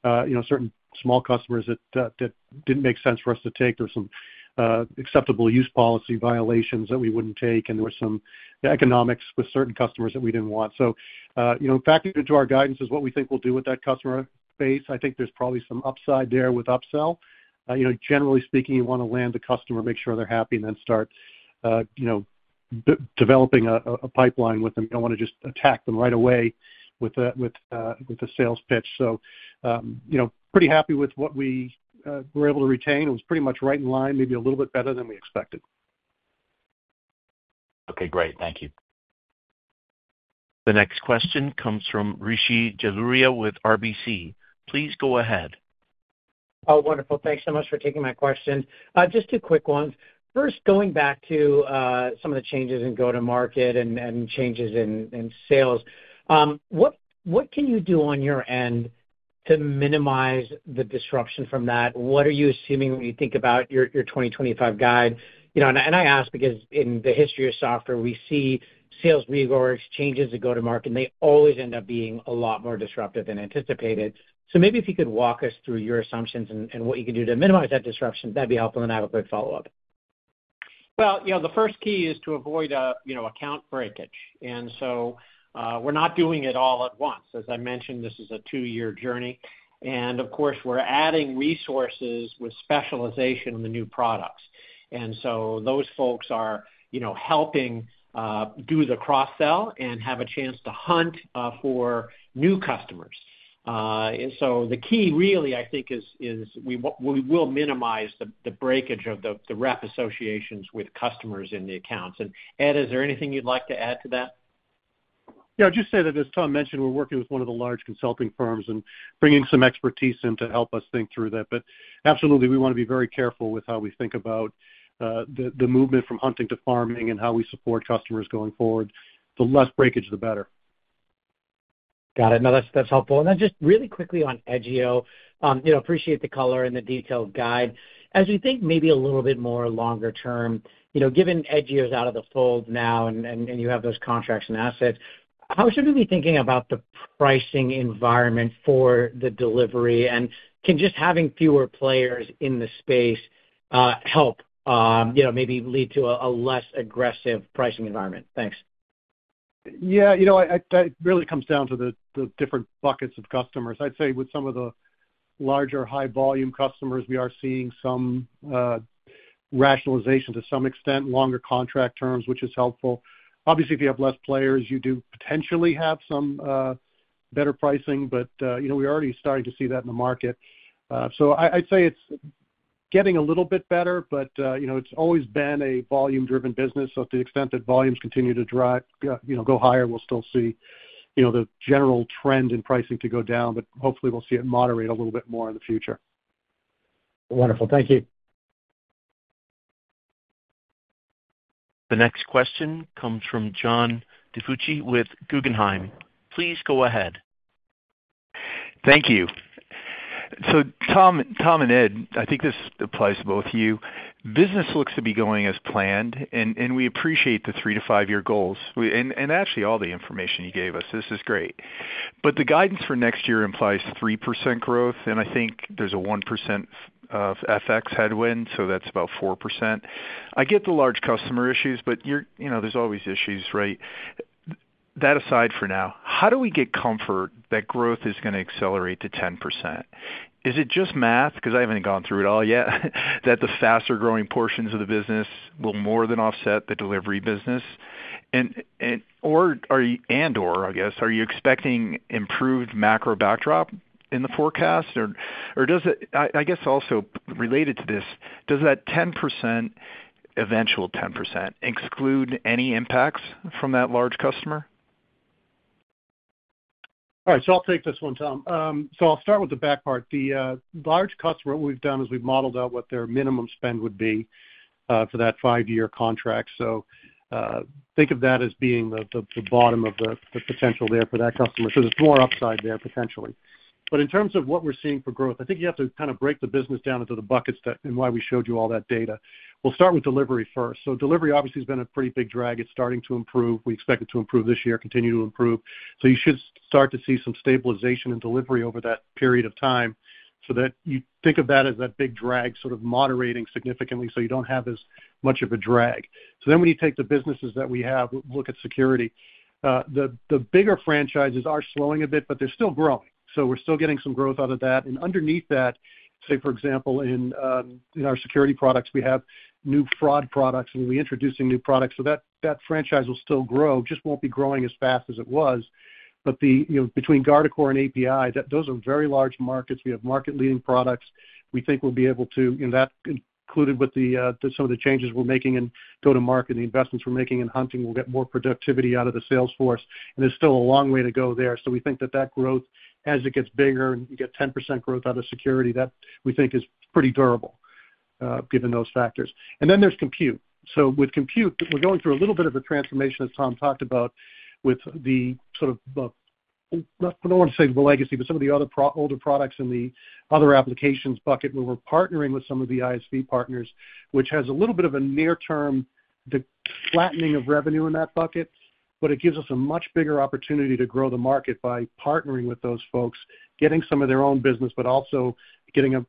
certain small customers that didn't make sense for us to take. There were some acceptable use policy violations that we wouldn't take. And there were some economics with certain customers that we didn't want. So factored into our guidance is what we think we'll do with that customer base. I think there's probably some upside there with upsell. Generally speaking, you want to land the customer, make sure they're happy, and then start developing a pipeline with them. You don't want to just attack them right away with a sales pitch. So pretty happy with what we were able to retain. It was pretty much right in line, maybe a little bit better than we expected. Okay. Great. Thank you. The next question comes from Rishi Jaluria with RBC. Please go ahead. Oh, wonderful. Thanks so much for taking my question. Just two quick ones. First, going back to some of the changes in go-to-market and changes in sales, what can you do on your end to minimize the disruption from that? What are you assuming when you think about your 2025 guide? And I ask because in the history of software, we see sales orgs, changes to go-to-market, and they always end up being a lot more disruptive than anticipated. So maybe if you could walk us through your assumptions and what you could do to minimize that disruption, that'd be helpful, and I have a quick follow-up. The first key is to avoid account breakage. So we're not doing it all at once. As I mentioned, this is a two-year journey. Of course, we're adding resources with specialization in the new products. So those folks are helping do the cross-sell and have a chance to hunt for new customers. The key really, I think, is we will minimize the breakage of the rep associations with customers in the accounts. Ed, is there anything you'd like to add to that? Yeah. I'll just say that, as Tom mentioned, we're working with one of the large consulting firms and bringing some expertise in to help us think through that, but absolutely, we want to be very careful with how we think about the movement from hunting to farming and how we support customers going forward. The less breakage, the better. Got it. No, that's helpful. And then just really quickly on Edgio, appreciate the color and the detailed guide. As we think maybe a little bit more longer term, given Edgio is out of the fold now and you have those contracts and assets, how should we be thinking about the pricing environment for the delivery? And can just having fewer players in the space help maybe lead to a less aggressive pricing environment? Thanks. Yeah. It really comes down to the different buckets of customers. I'd say with some of the larger high-volume customers, we are seeing some rationalization to some extent, longer contract terms, which is helpful. Obviously, if you have less players, you do potentially have some better pricing, but we're already starting to see that in the market. So I'd say it's getting a little bit better, but it's always been a volume-driven business. So to the extent that volumes continue to go higher, we'll still see the general trend in pricing to go down, but hopefully, we'll see it moderate a little bit more in the future. Wonderful. Thank you. The next question comes from John DiFucci with Guggenheim. Please go ahead. Thank you. So Tom and Ed, I think this applies to both of you. Business looks to be going as planned, and we appreciate the three to five-year goals. And actually, all the information you gave us, this is great. But the guidance for next year implies 3% growth, and I think there's a 1% FX headwind, so that's about 4%. I get the large customer issues, but there's always issues, right? That aside for now, how do we get comfort that growth is going to accelerate to 10%? Is it just math? Because I haven't gone through it all yet, that the faster-growing portions of the business will more than offset the delivery business? And/or, I guess, are you expecting improved macro backdrop in the forecast? Or I guess also related to this, does that 10%, eventual 10%, exclude any impacts from that large customer? All right. So I'll take this one, Tom. So I'll start with the back part. The large customer, what we've done is we've modeled out what their minimum spend would be for that five-year contract. So think of that as being the bottom of the potential there for that customer. So there's more upside there potentially. But in terms of what we're seeing for growth, I think you have to kind of break the business down into the buckets and why we showed you all that data. We'll start with delivery first. So delivery obviously has been a pretty big drag. It's starting to improve. We expect it to improve this year, continue to improve. So you should start to see some stabilization in delivery over that period of time so that you think of that as that big drag sort of moderating significantly so you don't have as much of a drag. So then when you take the businesses that we have, look at security, the bigger franchises are slowing a bit, but they're still growing. So we're still getting some growth out of that. And underneath that, say, for example, in our security products, we have new fraud products, and we're introducing new products. So that franchise will still grow, just won't be growing as fast as it was. But between Guardicore and API, those are very large markets. We have market-leading products. We think we'll be able to, and that included with some of the changes we're making in go-to-market and the investments we're making in hunting, we'll get more productivity out of the sales force. There's still a long way to go there. We think that that growth, as it gets bigger and you get 10% growth out of security, is pretty durable given those factors. Then there's compute. So with compute, we're going through a little bit of the transformation as Tom talked about with the sort of, I don't want to say the legacy, but some of the other older products in the other applications bucket where we're partnering with some of the ISV partners, which has a little bit of a near-term flattening of revenue in that bucket, but it gives us a much bigger opportunity to grow the market by partnering with those folks, getting some of their own business, but also getting a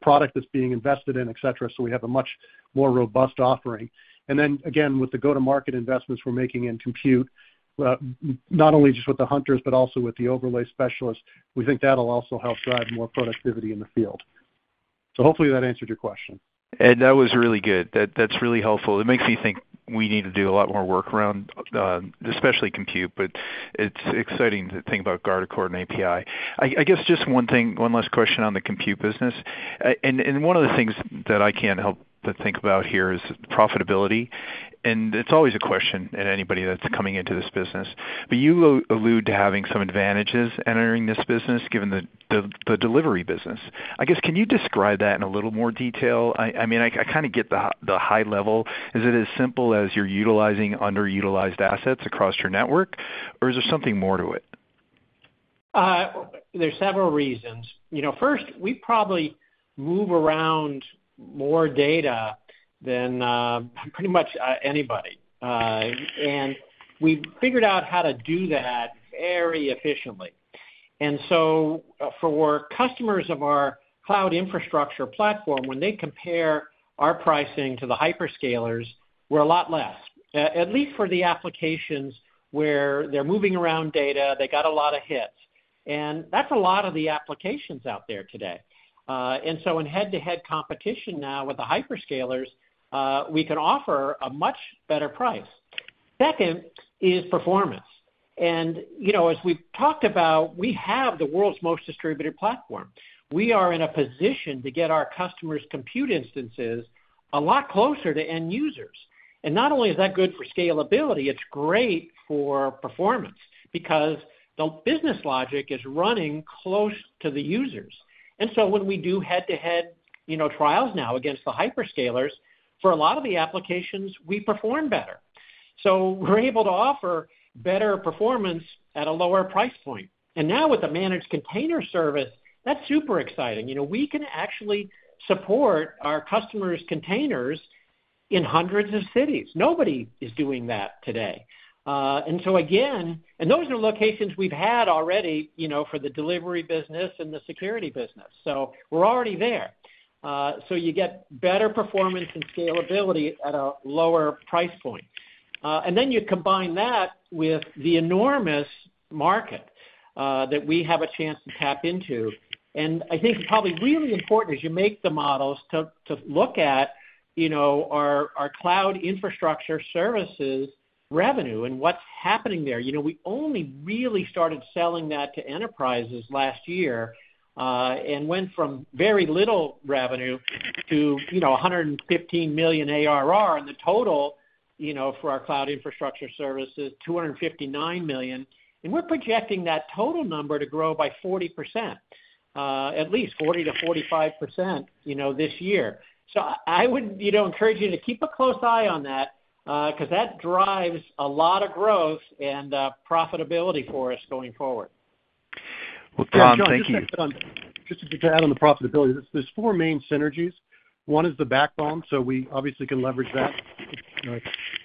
product that's being invested in, etc. So we have a much more robust offering. And then again, with the go-to-market investments we're making in compute, not only just with the hunters, but also with the overlay specialists, we think that'll also help drive more productivity in the field. So hopefully, that answered your question. Ed, that was really good. That's really helpful. It makes me think we need to do a lot more work around, especially compute, but it's exciting to think about Guardicore and API. I guess just one thing, one last question on the compute business. And one of the things that I can't help but think about here is profitability. And it's always a question at anybody that's coming into this business. But you allude to having some advantages entering this business given the delivery business. I guess, can you describe that in a little more detail? I mean, I kind of get the high level. Is it as simple as you're utilizing underutilized assets across your network, or is there something more to it? There's several reasons. First, we probably move around more data than pretty much anybody. And we figured out how to do that very efficiently. And so, for customers of our cloud infrastructure platform, when they compare our pricing to the hyperscalers, we're a lot less, at least for the applications where they're moving around data. They got a lot of hits. And that's a lot of the applications out there today. And so, in head-to-head competition now with the hyperscalers, we can offer a much better price. Second is performance. And as we've talked about, we have the world's most distributed platform. We are in a position to get our customers' compute instances a lot closer to end users. And not only is that good for scalability, it's great for performance because the business logic is running close to the users. And so, when we do head-to-head trials now against the hyperscalers, for a lot of the applications, we perform better. So we're able to offer better performance at a lower price point. And now with the Managed Container Service, that's super exciting. We can actually support our customers' containers in hundreds of cities. Nobody is doing that today. And so again, and those are locations we've had already for the delivery business and the security business. So we're already there. So you get better performance and scalability at a lower price point. And then you combine that with the enormous market that we have a chance to tap into. And I think probably really important as you make the models to look at our Cloud Infrastructure Services revenue and what's happening there. We only really started selling that to enterprises last year and went from very little revenue to $115 million ARR, and the total for our Cloud Infrastructure Service is $259 million. And we're projecting that total number to grow by 40%, at least 40%-45% this year. So I would encourage you to keep a close eye on that because that drives a lot of growth and profitability for us going forward. Well, Tom, thank you. Just to add on the profitability, there's four main synergies. One is the backbone, so we obviously can leverage that.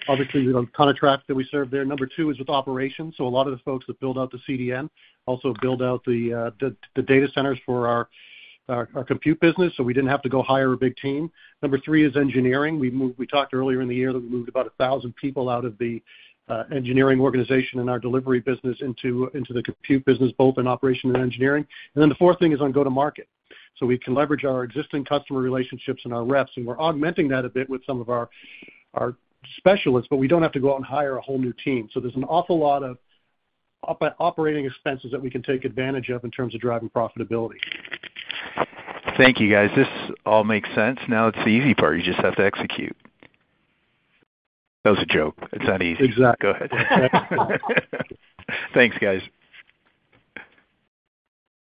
Obviously, the kind of traffic that we serve there. Number two is with operations. So a lot of the folks that build out the CDN also build out the data centers for our compute business, so we didn't have to go hire a big team. Number three is engineering. We talked earlier in the year that we moved about 1,000 people out of the engineering organization in our delivery business into the compute business, both in operation and engineering. And then the fourth thing is on go-to-market. So we can leverage our existing customer relationships and our reps, and we're augmenting that a bit with some of our specialists, but we don't have to go out and hire a whole new team. So there's an awful lot of operating expenses that we can take advantage of in terms of driving profitability. Thank you, guys. This all makes sense. Now it's the easy part. You just have to execute. That was a joke. It's not easy. Exactly. Go ahead. Thanks, guys.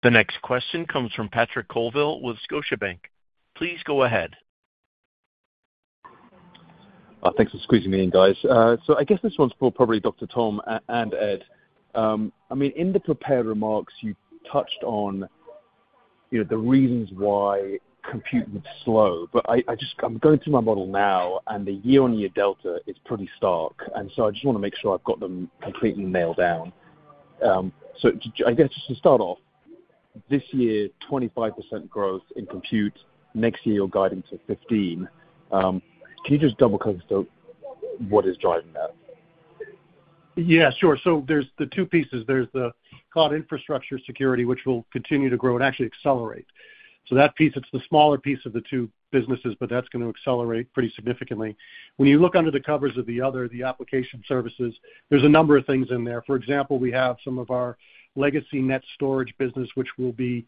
The next question comes from Patrick Colville with Scotiabank. Please go ahead. Thanks for squeezing me in, guys. So I guess this one's for probably Dr. Tom and Ed. I mean, in the prepared remarks, you touched on the reasons why compute was slow. But I'm going through my model now, and the year-on-year delta is pretty stark. And so I just want to make sure I've got them completely nailed down. So I guess just to start off, this year, 25% growth in compute. Next year, you're guiding to 15%. Can you just double-click as to what is driving that? Yeah, sure. So there's the two pieces. There's the cloud infrastructure security, which will continue to grow and actually accelerate. So that piece, it's the smaller piece of the two businesses, but that's going to accelerate pretty significantly. When you look under the covers of the other, the application services, there's a number of things in there. For example, we have some of our legacy NetStorage business, which will be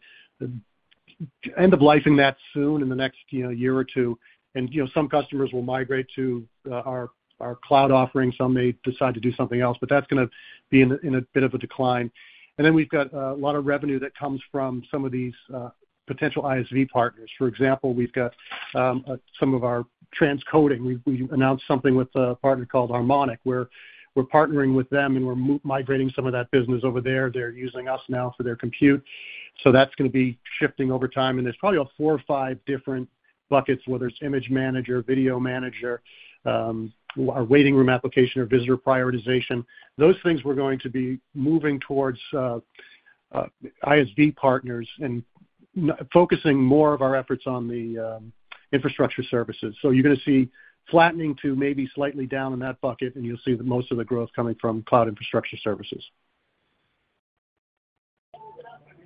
end-of-lifing that soon in the next year or two. And some customers will migrate to our cloud offering. Some may decide to do something else, but that's going to be in a bit of a decline. And then we've got a lot of revenue that comes from some of these potential ISV partners. For example, we've got some of our transcoding. We announced something with a partner called Harmonic, where we're partnering with them, and we're migrating some of that business over there. They're using us now for their compute. So that's going to be shifting over time. And there's probably four or five different buckets, whether it's Image Manager, Video Manager, our waiting room application, or Visitor Prioritization. Those things we're going to be moving towards ISV partners and focusing more of our efforts on the infrastructure services. So you're going to see flattening to maybe slightly down in that bucket, and you'll see most of the growth coming from cloud infrastructure services.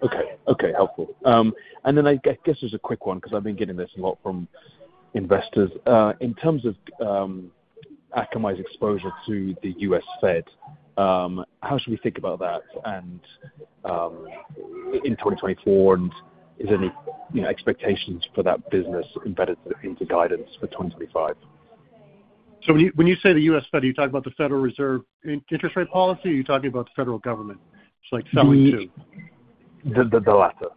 Okay. Okay. Helpful. And then I guess there's a quick one because I've been getting this a lot from investors. In terms of Akamai's exposure to the U.S. Fed, how should we think about that in 2024? And is there any expectations for that business embedded into guidance for 2025? So when you say the U.S. Fed, are you talking about the Federal Reserve interest rate policy, or are you talking about the federal government? It's like selling to. The latter.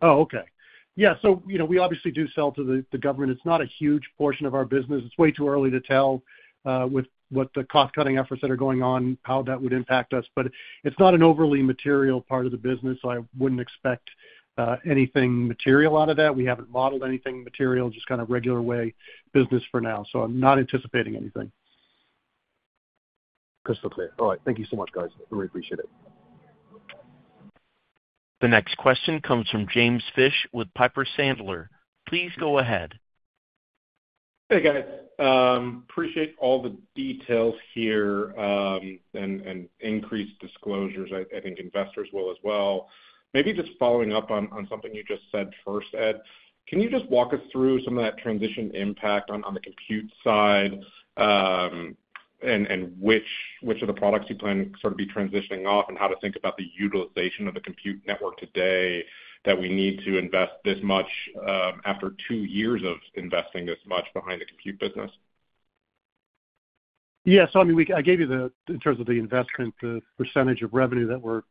Oh, okay. Yeah. So we obviously do sell to the government. It's not a huge portion of our business. It's way too early to tell with what the cost-cutting efforts that are going on, how that would impact us. But it's not an overly material part of the business. I wouldn't expect anything material out of that. We haven't modeled anything material, just kind of regular way business for now. So I'm not anticipating anything. Crystal clear. All right. Thank you so much, guys. I really appreciate it. The next question comes from James Fish with Piper Sandler. Please go ahead. Hey, guys. Appreciate all the details here and increased disclosures. I think investors will as well. Maybe just following up on something you just said first, Ed. Can you just walk us through some of that transition impact on the compute side and which of the products you plan to sort of be transitioning off and how to think about the utilization of the compute network today that we need to invest this much after two years of investing this much behind the compute business? Yeah. So I mean, I gave you the, in terms of the investment, the percentage of revenue that we're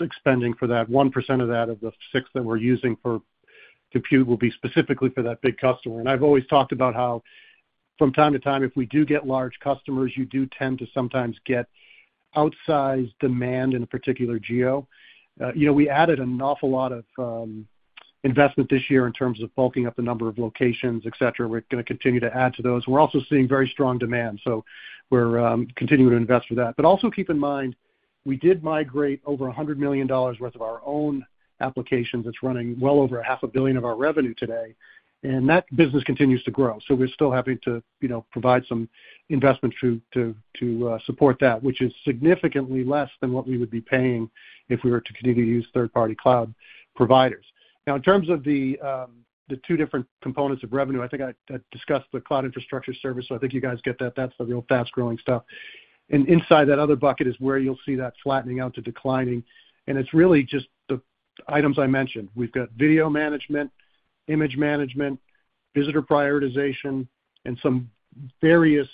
expending for that. 1% of that of the six that we're using for compute will be specifically for that big customer. I've always talked about how from time to time, if we do get large customers, you do tend to sometimes get outsized demand in a particular geo. We added an awful lot of investment this year in terms of bulking up the number of locations, etc. We're going to continue to add to those. We're also seeing very strong demand, so we're continuing to invest for that. But also keep in mind, we did migrate over $100 million worth of our own applications. It's running well over $500 million of our revenue today. And that business continues to grow, so we're still having to provide some investment to support that, which is significantly less than what we would be paying if we were to continue to use third-party cloud providers. Now, in terms of the two different components of revenue, I think I discussed the cloud infrastructure service. So I think you guys get that. That's the real fast-growing stuff. And inside that other bucket is where you'll see that flattening out to declining. And it's really just the items I mentioned. We've got video management, image management, visitor prioritization, and some various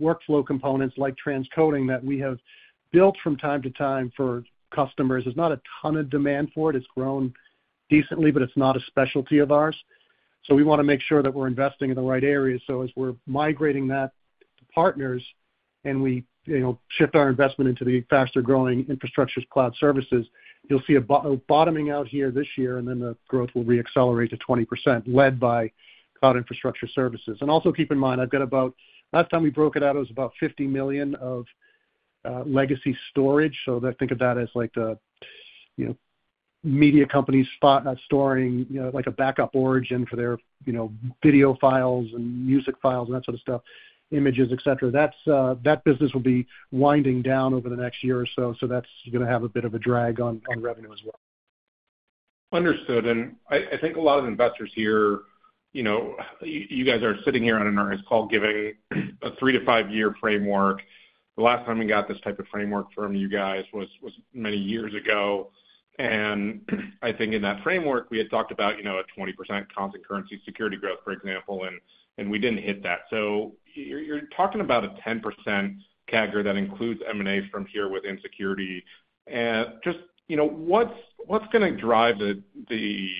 workflow components like transcoding that we have built from time to time for customers. There's not a ton of demand for it. It's grown decently, but it's not a specialty of ours. So we want to make sure that we're investing in the right areas. So as we're migrating that to partners and we shift our investment into the faster-growing infrastructure cloud services, you'll see a bottoming out here this year, and then the growth will re-accelerate to 20% led by cloud infrastructure services. And also keep in mind, I've got about last time we broke it out, it was about $50 million of legacy storage. So think of that as like the media companies storing like a backup origin for their video files and music files and that sort of stuff, images, etc. That business will be winding down over the next year or so. So that's going to have a bit of a drag on revenue as well. Understood. I think a lot of investors here, you guys are sitting here on an earnings call giving a three-to-five-year framework. The last time we got this type of framework from you guys was many years ago. I think in that framework, we had talked about a 20% content delivery security growth, for example, and we didn't hit that. So you're talking about a 10% CAGR that includes M&A from here within security. Just what's going to drive the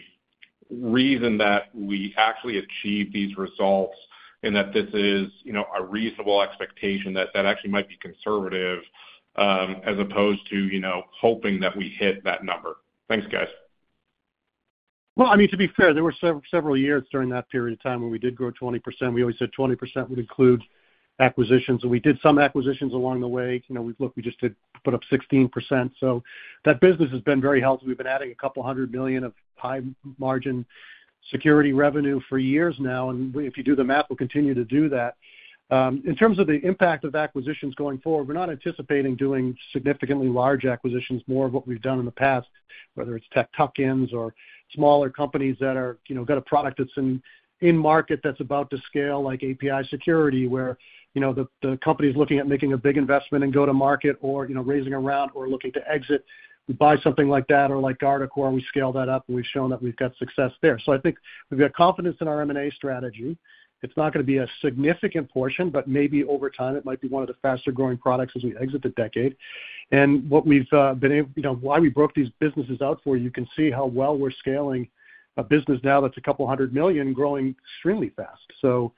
reason that we actually achieve these results and that this is a reasonable expectation that that actually might be conservative as opposed to hoping that we hit that number? Thanks, guys. Well, I mean, to be fair, there were several years during that period of time when we did grow 20%. We always said 20% would include acquisitions. And we did some acquisitions along the way. We just did put up 16%. So that business has been very healthy. We've been adding $200 million of high-margin security revenue for years now. And if you do the math, we'll continue to do that. In terms of the impact of acquisitions going forward, we're not anticipating doing significantly large acquisitions, more of what we've done in the past, whether it's tech tuck-ins or smaller companies that have got a product that's in market that's about to scale, like API security, where the company is looking at making a big investment in go-to-market or raising around or looking to exit. We buy something like that or like Guardicore. We scale that up, and we've shown that we've got success there. So I think we've got confidence in our M&A strategy. It's not going to be a significant portion, but maybe over time, it might be one of the faster-growing products as we exit the decade. And what we've been able why we broke these businesses out for you, you can see how well we're scaling a business now that's a couple hundred million growing extremely fast. So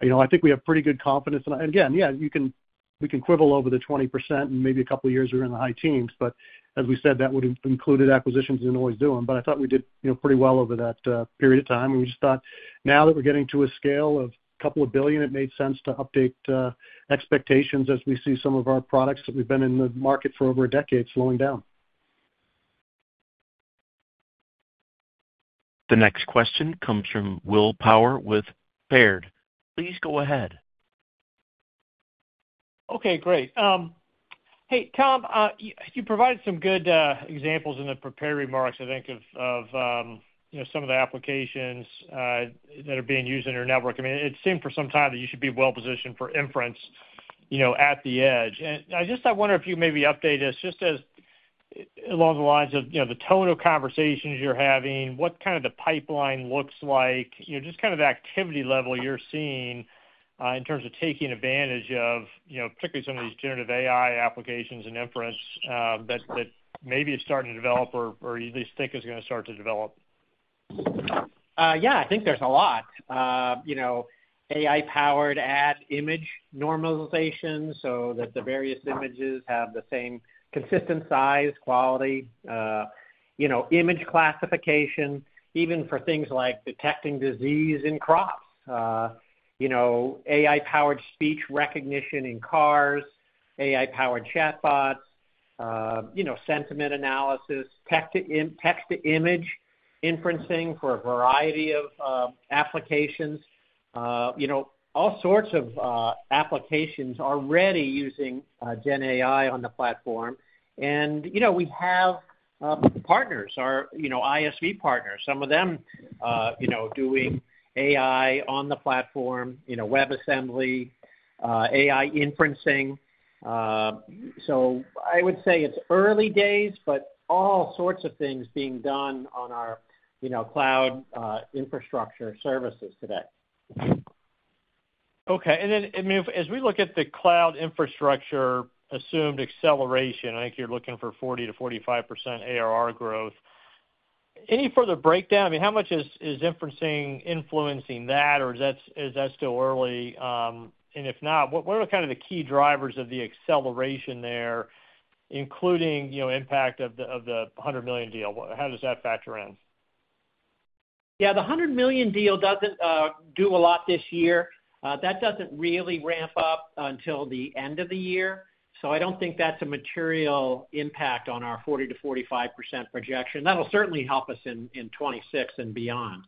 I think we have pretty good confidence. And again, yeah, we can quibble over the 20%, and maybe a couple of years we're in the high teens. But as we said, that would have included acquisitions and we always do them. But I thought we did pretty well over that period of time. And we just thought, now that we're getting to a scale of a couple of billion, it made sense to update expectations as we see some of our products that we've been in the market for over a decade slowing down. The next question comes from Will Power with Baird. Please go ahead. Okay. Great. Hey, Tom, you provided some good examples in the prepared remarks, I think, of some of the applications that are being used in your network. I mean, it seemed for some time that you should be well-positioned for inference at the edge, and I just wonder if you maybe update us just along the lines of the tone of conversations you're having, what kind of the pipeline looks like, just kind of the activity level you're seeing in terms of taking advantage of, particularly some of these generative AI applications and inference that maybe is starting to develop or you at least think is going to start to develop. Yeah. I think there's a lot. AI-powered ad image normalization so that the various images have the same consistent size, quality, image classification, even for things like detecting disease in crops, AI-powered speech recognition in cars, AI-powered chatbots, sentiment analysis, text-to-image inferencing for a variety of applications. All sorts of applications are ready using GenAI on the platform. And we have partners, our ISV partners, some of them doing AI on the platform, WebAssembly, AI Inferencing. So I would say it's early days, but all sorts of things being done on our cloud infrastructure services today. Okay. And then as we look at the cloud infrastructure assumed acceleration, I think you're looking for 40%-45% ARR growth. Any further breakdown? I mean, how much is inferencing influencing that, or is that still early? And if not, what are kind of the key drivers of the acceleration there, including impact of the 100 million deal? How does that factor in? Yeah. The 100 million deal doesn't do a lot this year. That doesn't really ramp up until the end of the year. So I don't think that's a material impact on our 40%-45% projection. That'll certainly help us in 2026 and beyond.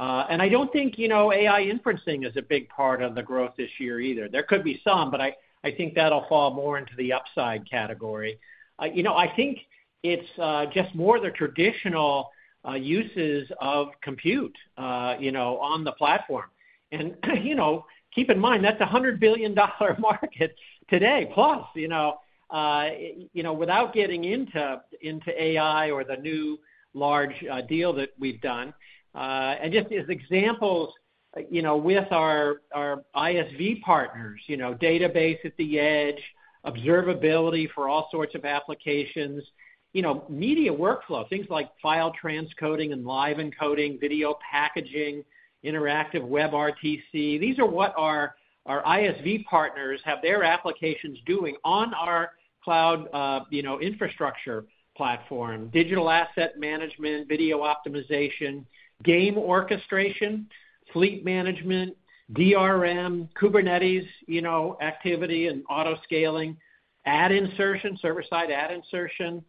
And I don't think AI inferencing is a big part of the growth this year either. There could be some, but I think that'll fall more into the upside category. I think it's just more of the traditional uses of compute on the platform. And keep in mind, that's a $100 billion market today, plus without getting into AI or the new large deal that we've done. Just as examples with our ISV partners, database at the edge, observability for all sorts of applications, media workflow, things like file transcoding and live encoding, video packaging, interactive WebRTC. These are what our ISV partners have their applications doing on our cloud infrastructure platform, digital asset management, video optimization, game orchestration, fleet management, DRM, Kubernetes activity and auto scaling, ad insertion, server-side ad insertion.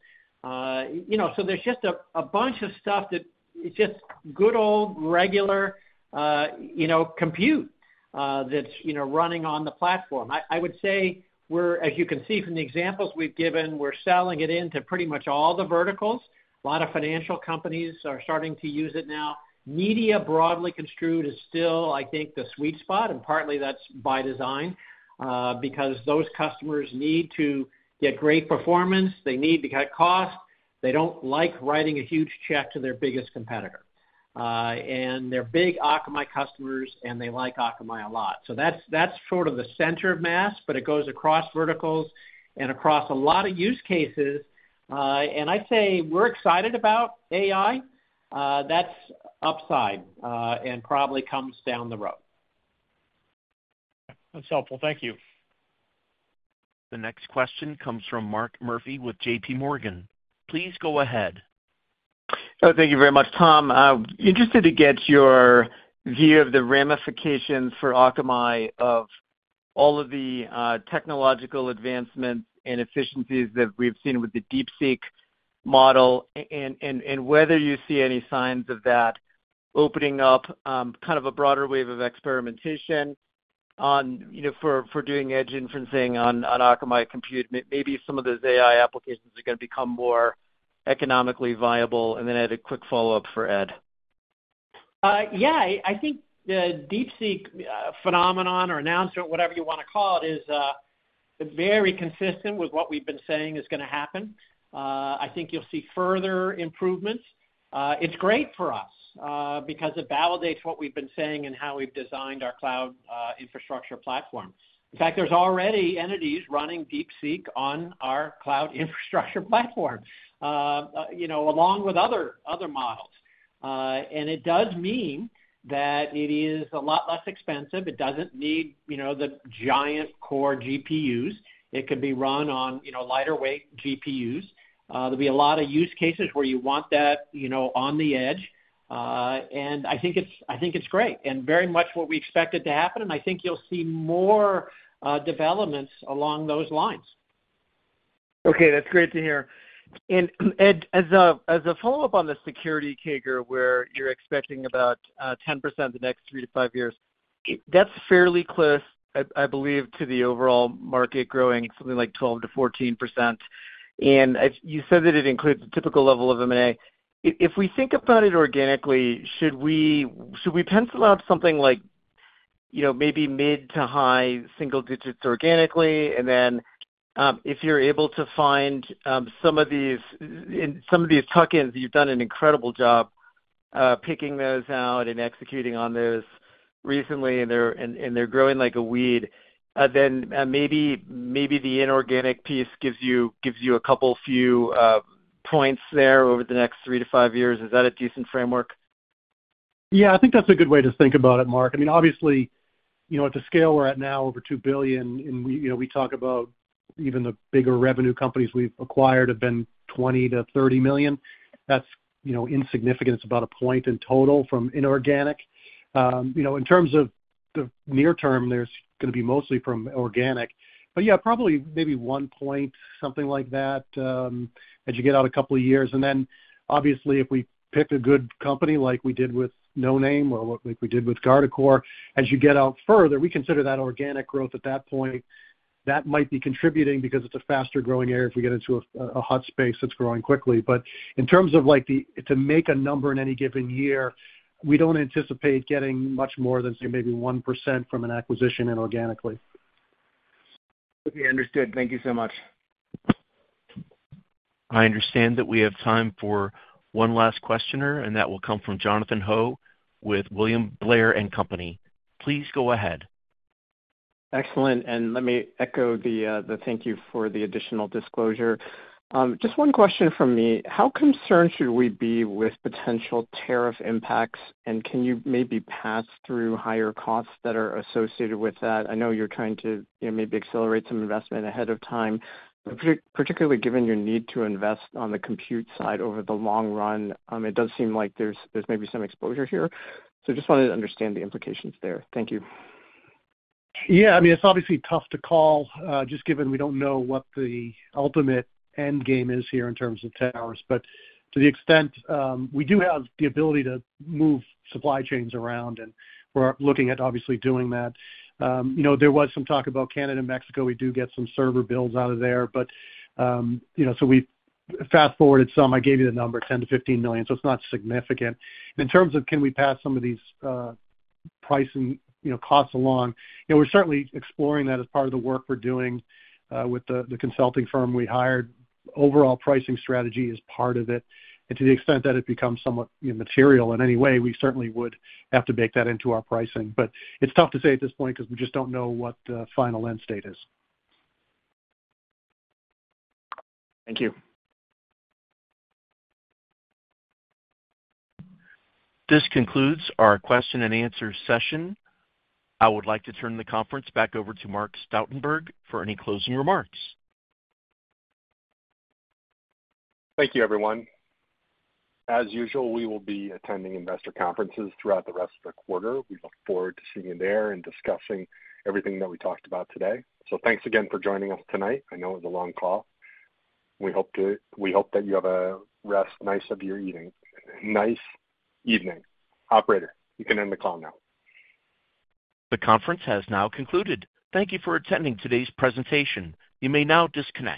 So there's just a bunch of stuff that it's just good old regular compute that's running on the platform. I would say, as you can see from the examples we've given, we're selling it into pretty much all the verticals. A lot of financial companies are starting to use it now. Media broadly construed is still, I think, the sweet spot. And partly that's by design because those customers need to get great performance. They need to cut costs. They don't like writing a huge check to their biggest competitor. And they're big Akamai customers, and they like Akamai a lot. So that's sort of the center of mass, but it goes across verticals and across a lot of use cases. And I'd say we're excited about AI. That's upside and probably comes down the road. That's helpful. Thank you. The next question comes from Mark Murphy with JPMorgan. Please go ahead. Thank you very much, Tom. Interested to get your view of the ramifications for Akamai of all of the technological advancements and efficiencies that we've seen with the DeepSeek model and whether you see any signs of that opening up kind of a broader wave of experimentation for doing edge inferencing on Akamai compute. Maybe some of those AI applications are going to become more economically viable. And then I had a quick follow-up for Ed. Yeah. I think the DeepSeek phenomenon or announcement, whatever you want to call it, is very consistent with what we've been saying is going to happen. I think you'll see further improvements. It's great for us because it validates what we've been saying and how we've designed our cloud infrastructure platform. In fact, there's already entities running DeepSeek on our cloud infrastructure platform along with other models. And it does mean that it is a lot less expensive. It doesn't need the giant core GPUs. It can be run on lighter-weight GPUs. There'll be a lot of use cases where you want that on the edge. And I think it's great and very much what we expected to happen. And I think you'll see more developments along those lines. Okay. That's great to hear. Ed, as a follow-up on the security kicker, where you're expecting about 10% the next three to five years, that's fairly close, I believe, to the overall market growing something like 12%-14%. And you said that it includes the typical level of M&A. If we think about it organically, should we pencil out something like maybe mid to high single digits organically? And then if you're able to find some of these tuck-ins, you've done an incredible job picking those out and executing on those recently, and they're growing like a weed, then maybe the inorganic piece gives you a couple few points there over the next three to five years. Is that a decent framework? Yeah. I think that's a good way to think about it, Mark. I mean, obviously, at the scale we're at now, over $2 billion, and we talk about even the bigger revenue companies we've acquired have been $20 million-$30 million. That's insignificant. It's about a point in total from inorganic. In terms of the near term, there's going to be mostly from organic. But yeah, probably maybe one point, something like that as you get out a couple of years. And then, obviously, if we pick a good company like we did with Noname or like we did with Guardicore, as you get out further, we consider that organic growth at that point. That might be contributing because it's a faster-growing area if we get into a hot space that's growing quickly. But in terms of to make a number in any given year, we don't anticipate getting much more than, say, maybe 1% from an acquisition inorganically. Okay. Understood. Thank you so much. I understand that we have time for one last questioner, and that will come from Jonathan Ho with William Blair & Company. Please go ahead. Excellent. And let me echo the thank you for the additional disclosure. Just one question from me. How concerned should we be with potential tariff impacts? And can you maybe pass through higher costs that are associated with that? I know you're trying to maybe accelerate some investment ahead of time, particularly given your need to invest on the compute side over the long run. It does seem like there's maybe some exposure here. So just wanted to understand the implications there. Thank you. Yeah. I mean, it's obviously tough to call just given we don't know what the ultimate end game is here in terms of tariffs. But to the extent we do have the ability to move supply chains around, and we're looking at obviously doing that. There was some talk about Canada and Mexico. We do get some server builds out of there. But so we fast-forwarded some. I gave you the number, $10 million-$15 million. So it's not significant. In terms of can we pass some of these pricing costs along, we're certainly exploring that as part of the work we're doing with the consulting firm we hired. Overall pricing strategy is part of it. And to the extent that it becomes somewhat material in any way, we certainly would have to bake that into our pricing. But it's tough to say at this point because we just don't know what the final end state is. Thank you. This concludes our question-and-answer session. I would like to turn the conference back over to Mark Stoutenberg for any closing remarks. Thank you, everyone. As usual, we will be attending investor conferences throughout the rest of the quarter. We look forward to seeing you there and discussing everything that we talked about today. So thanks again for joining us tonight. I know it was a long call. We hope that you have a nice rest of your evening. Operator, you can end the call now. The conference has now concluded. Thank you for attending today's presentation. You may now disconnect.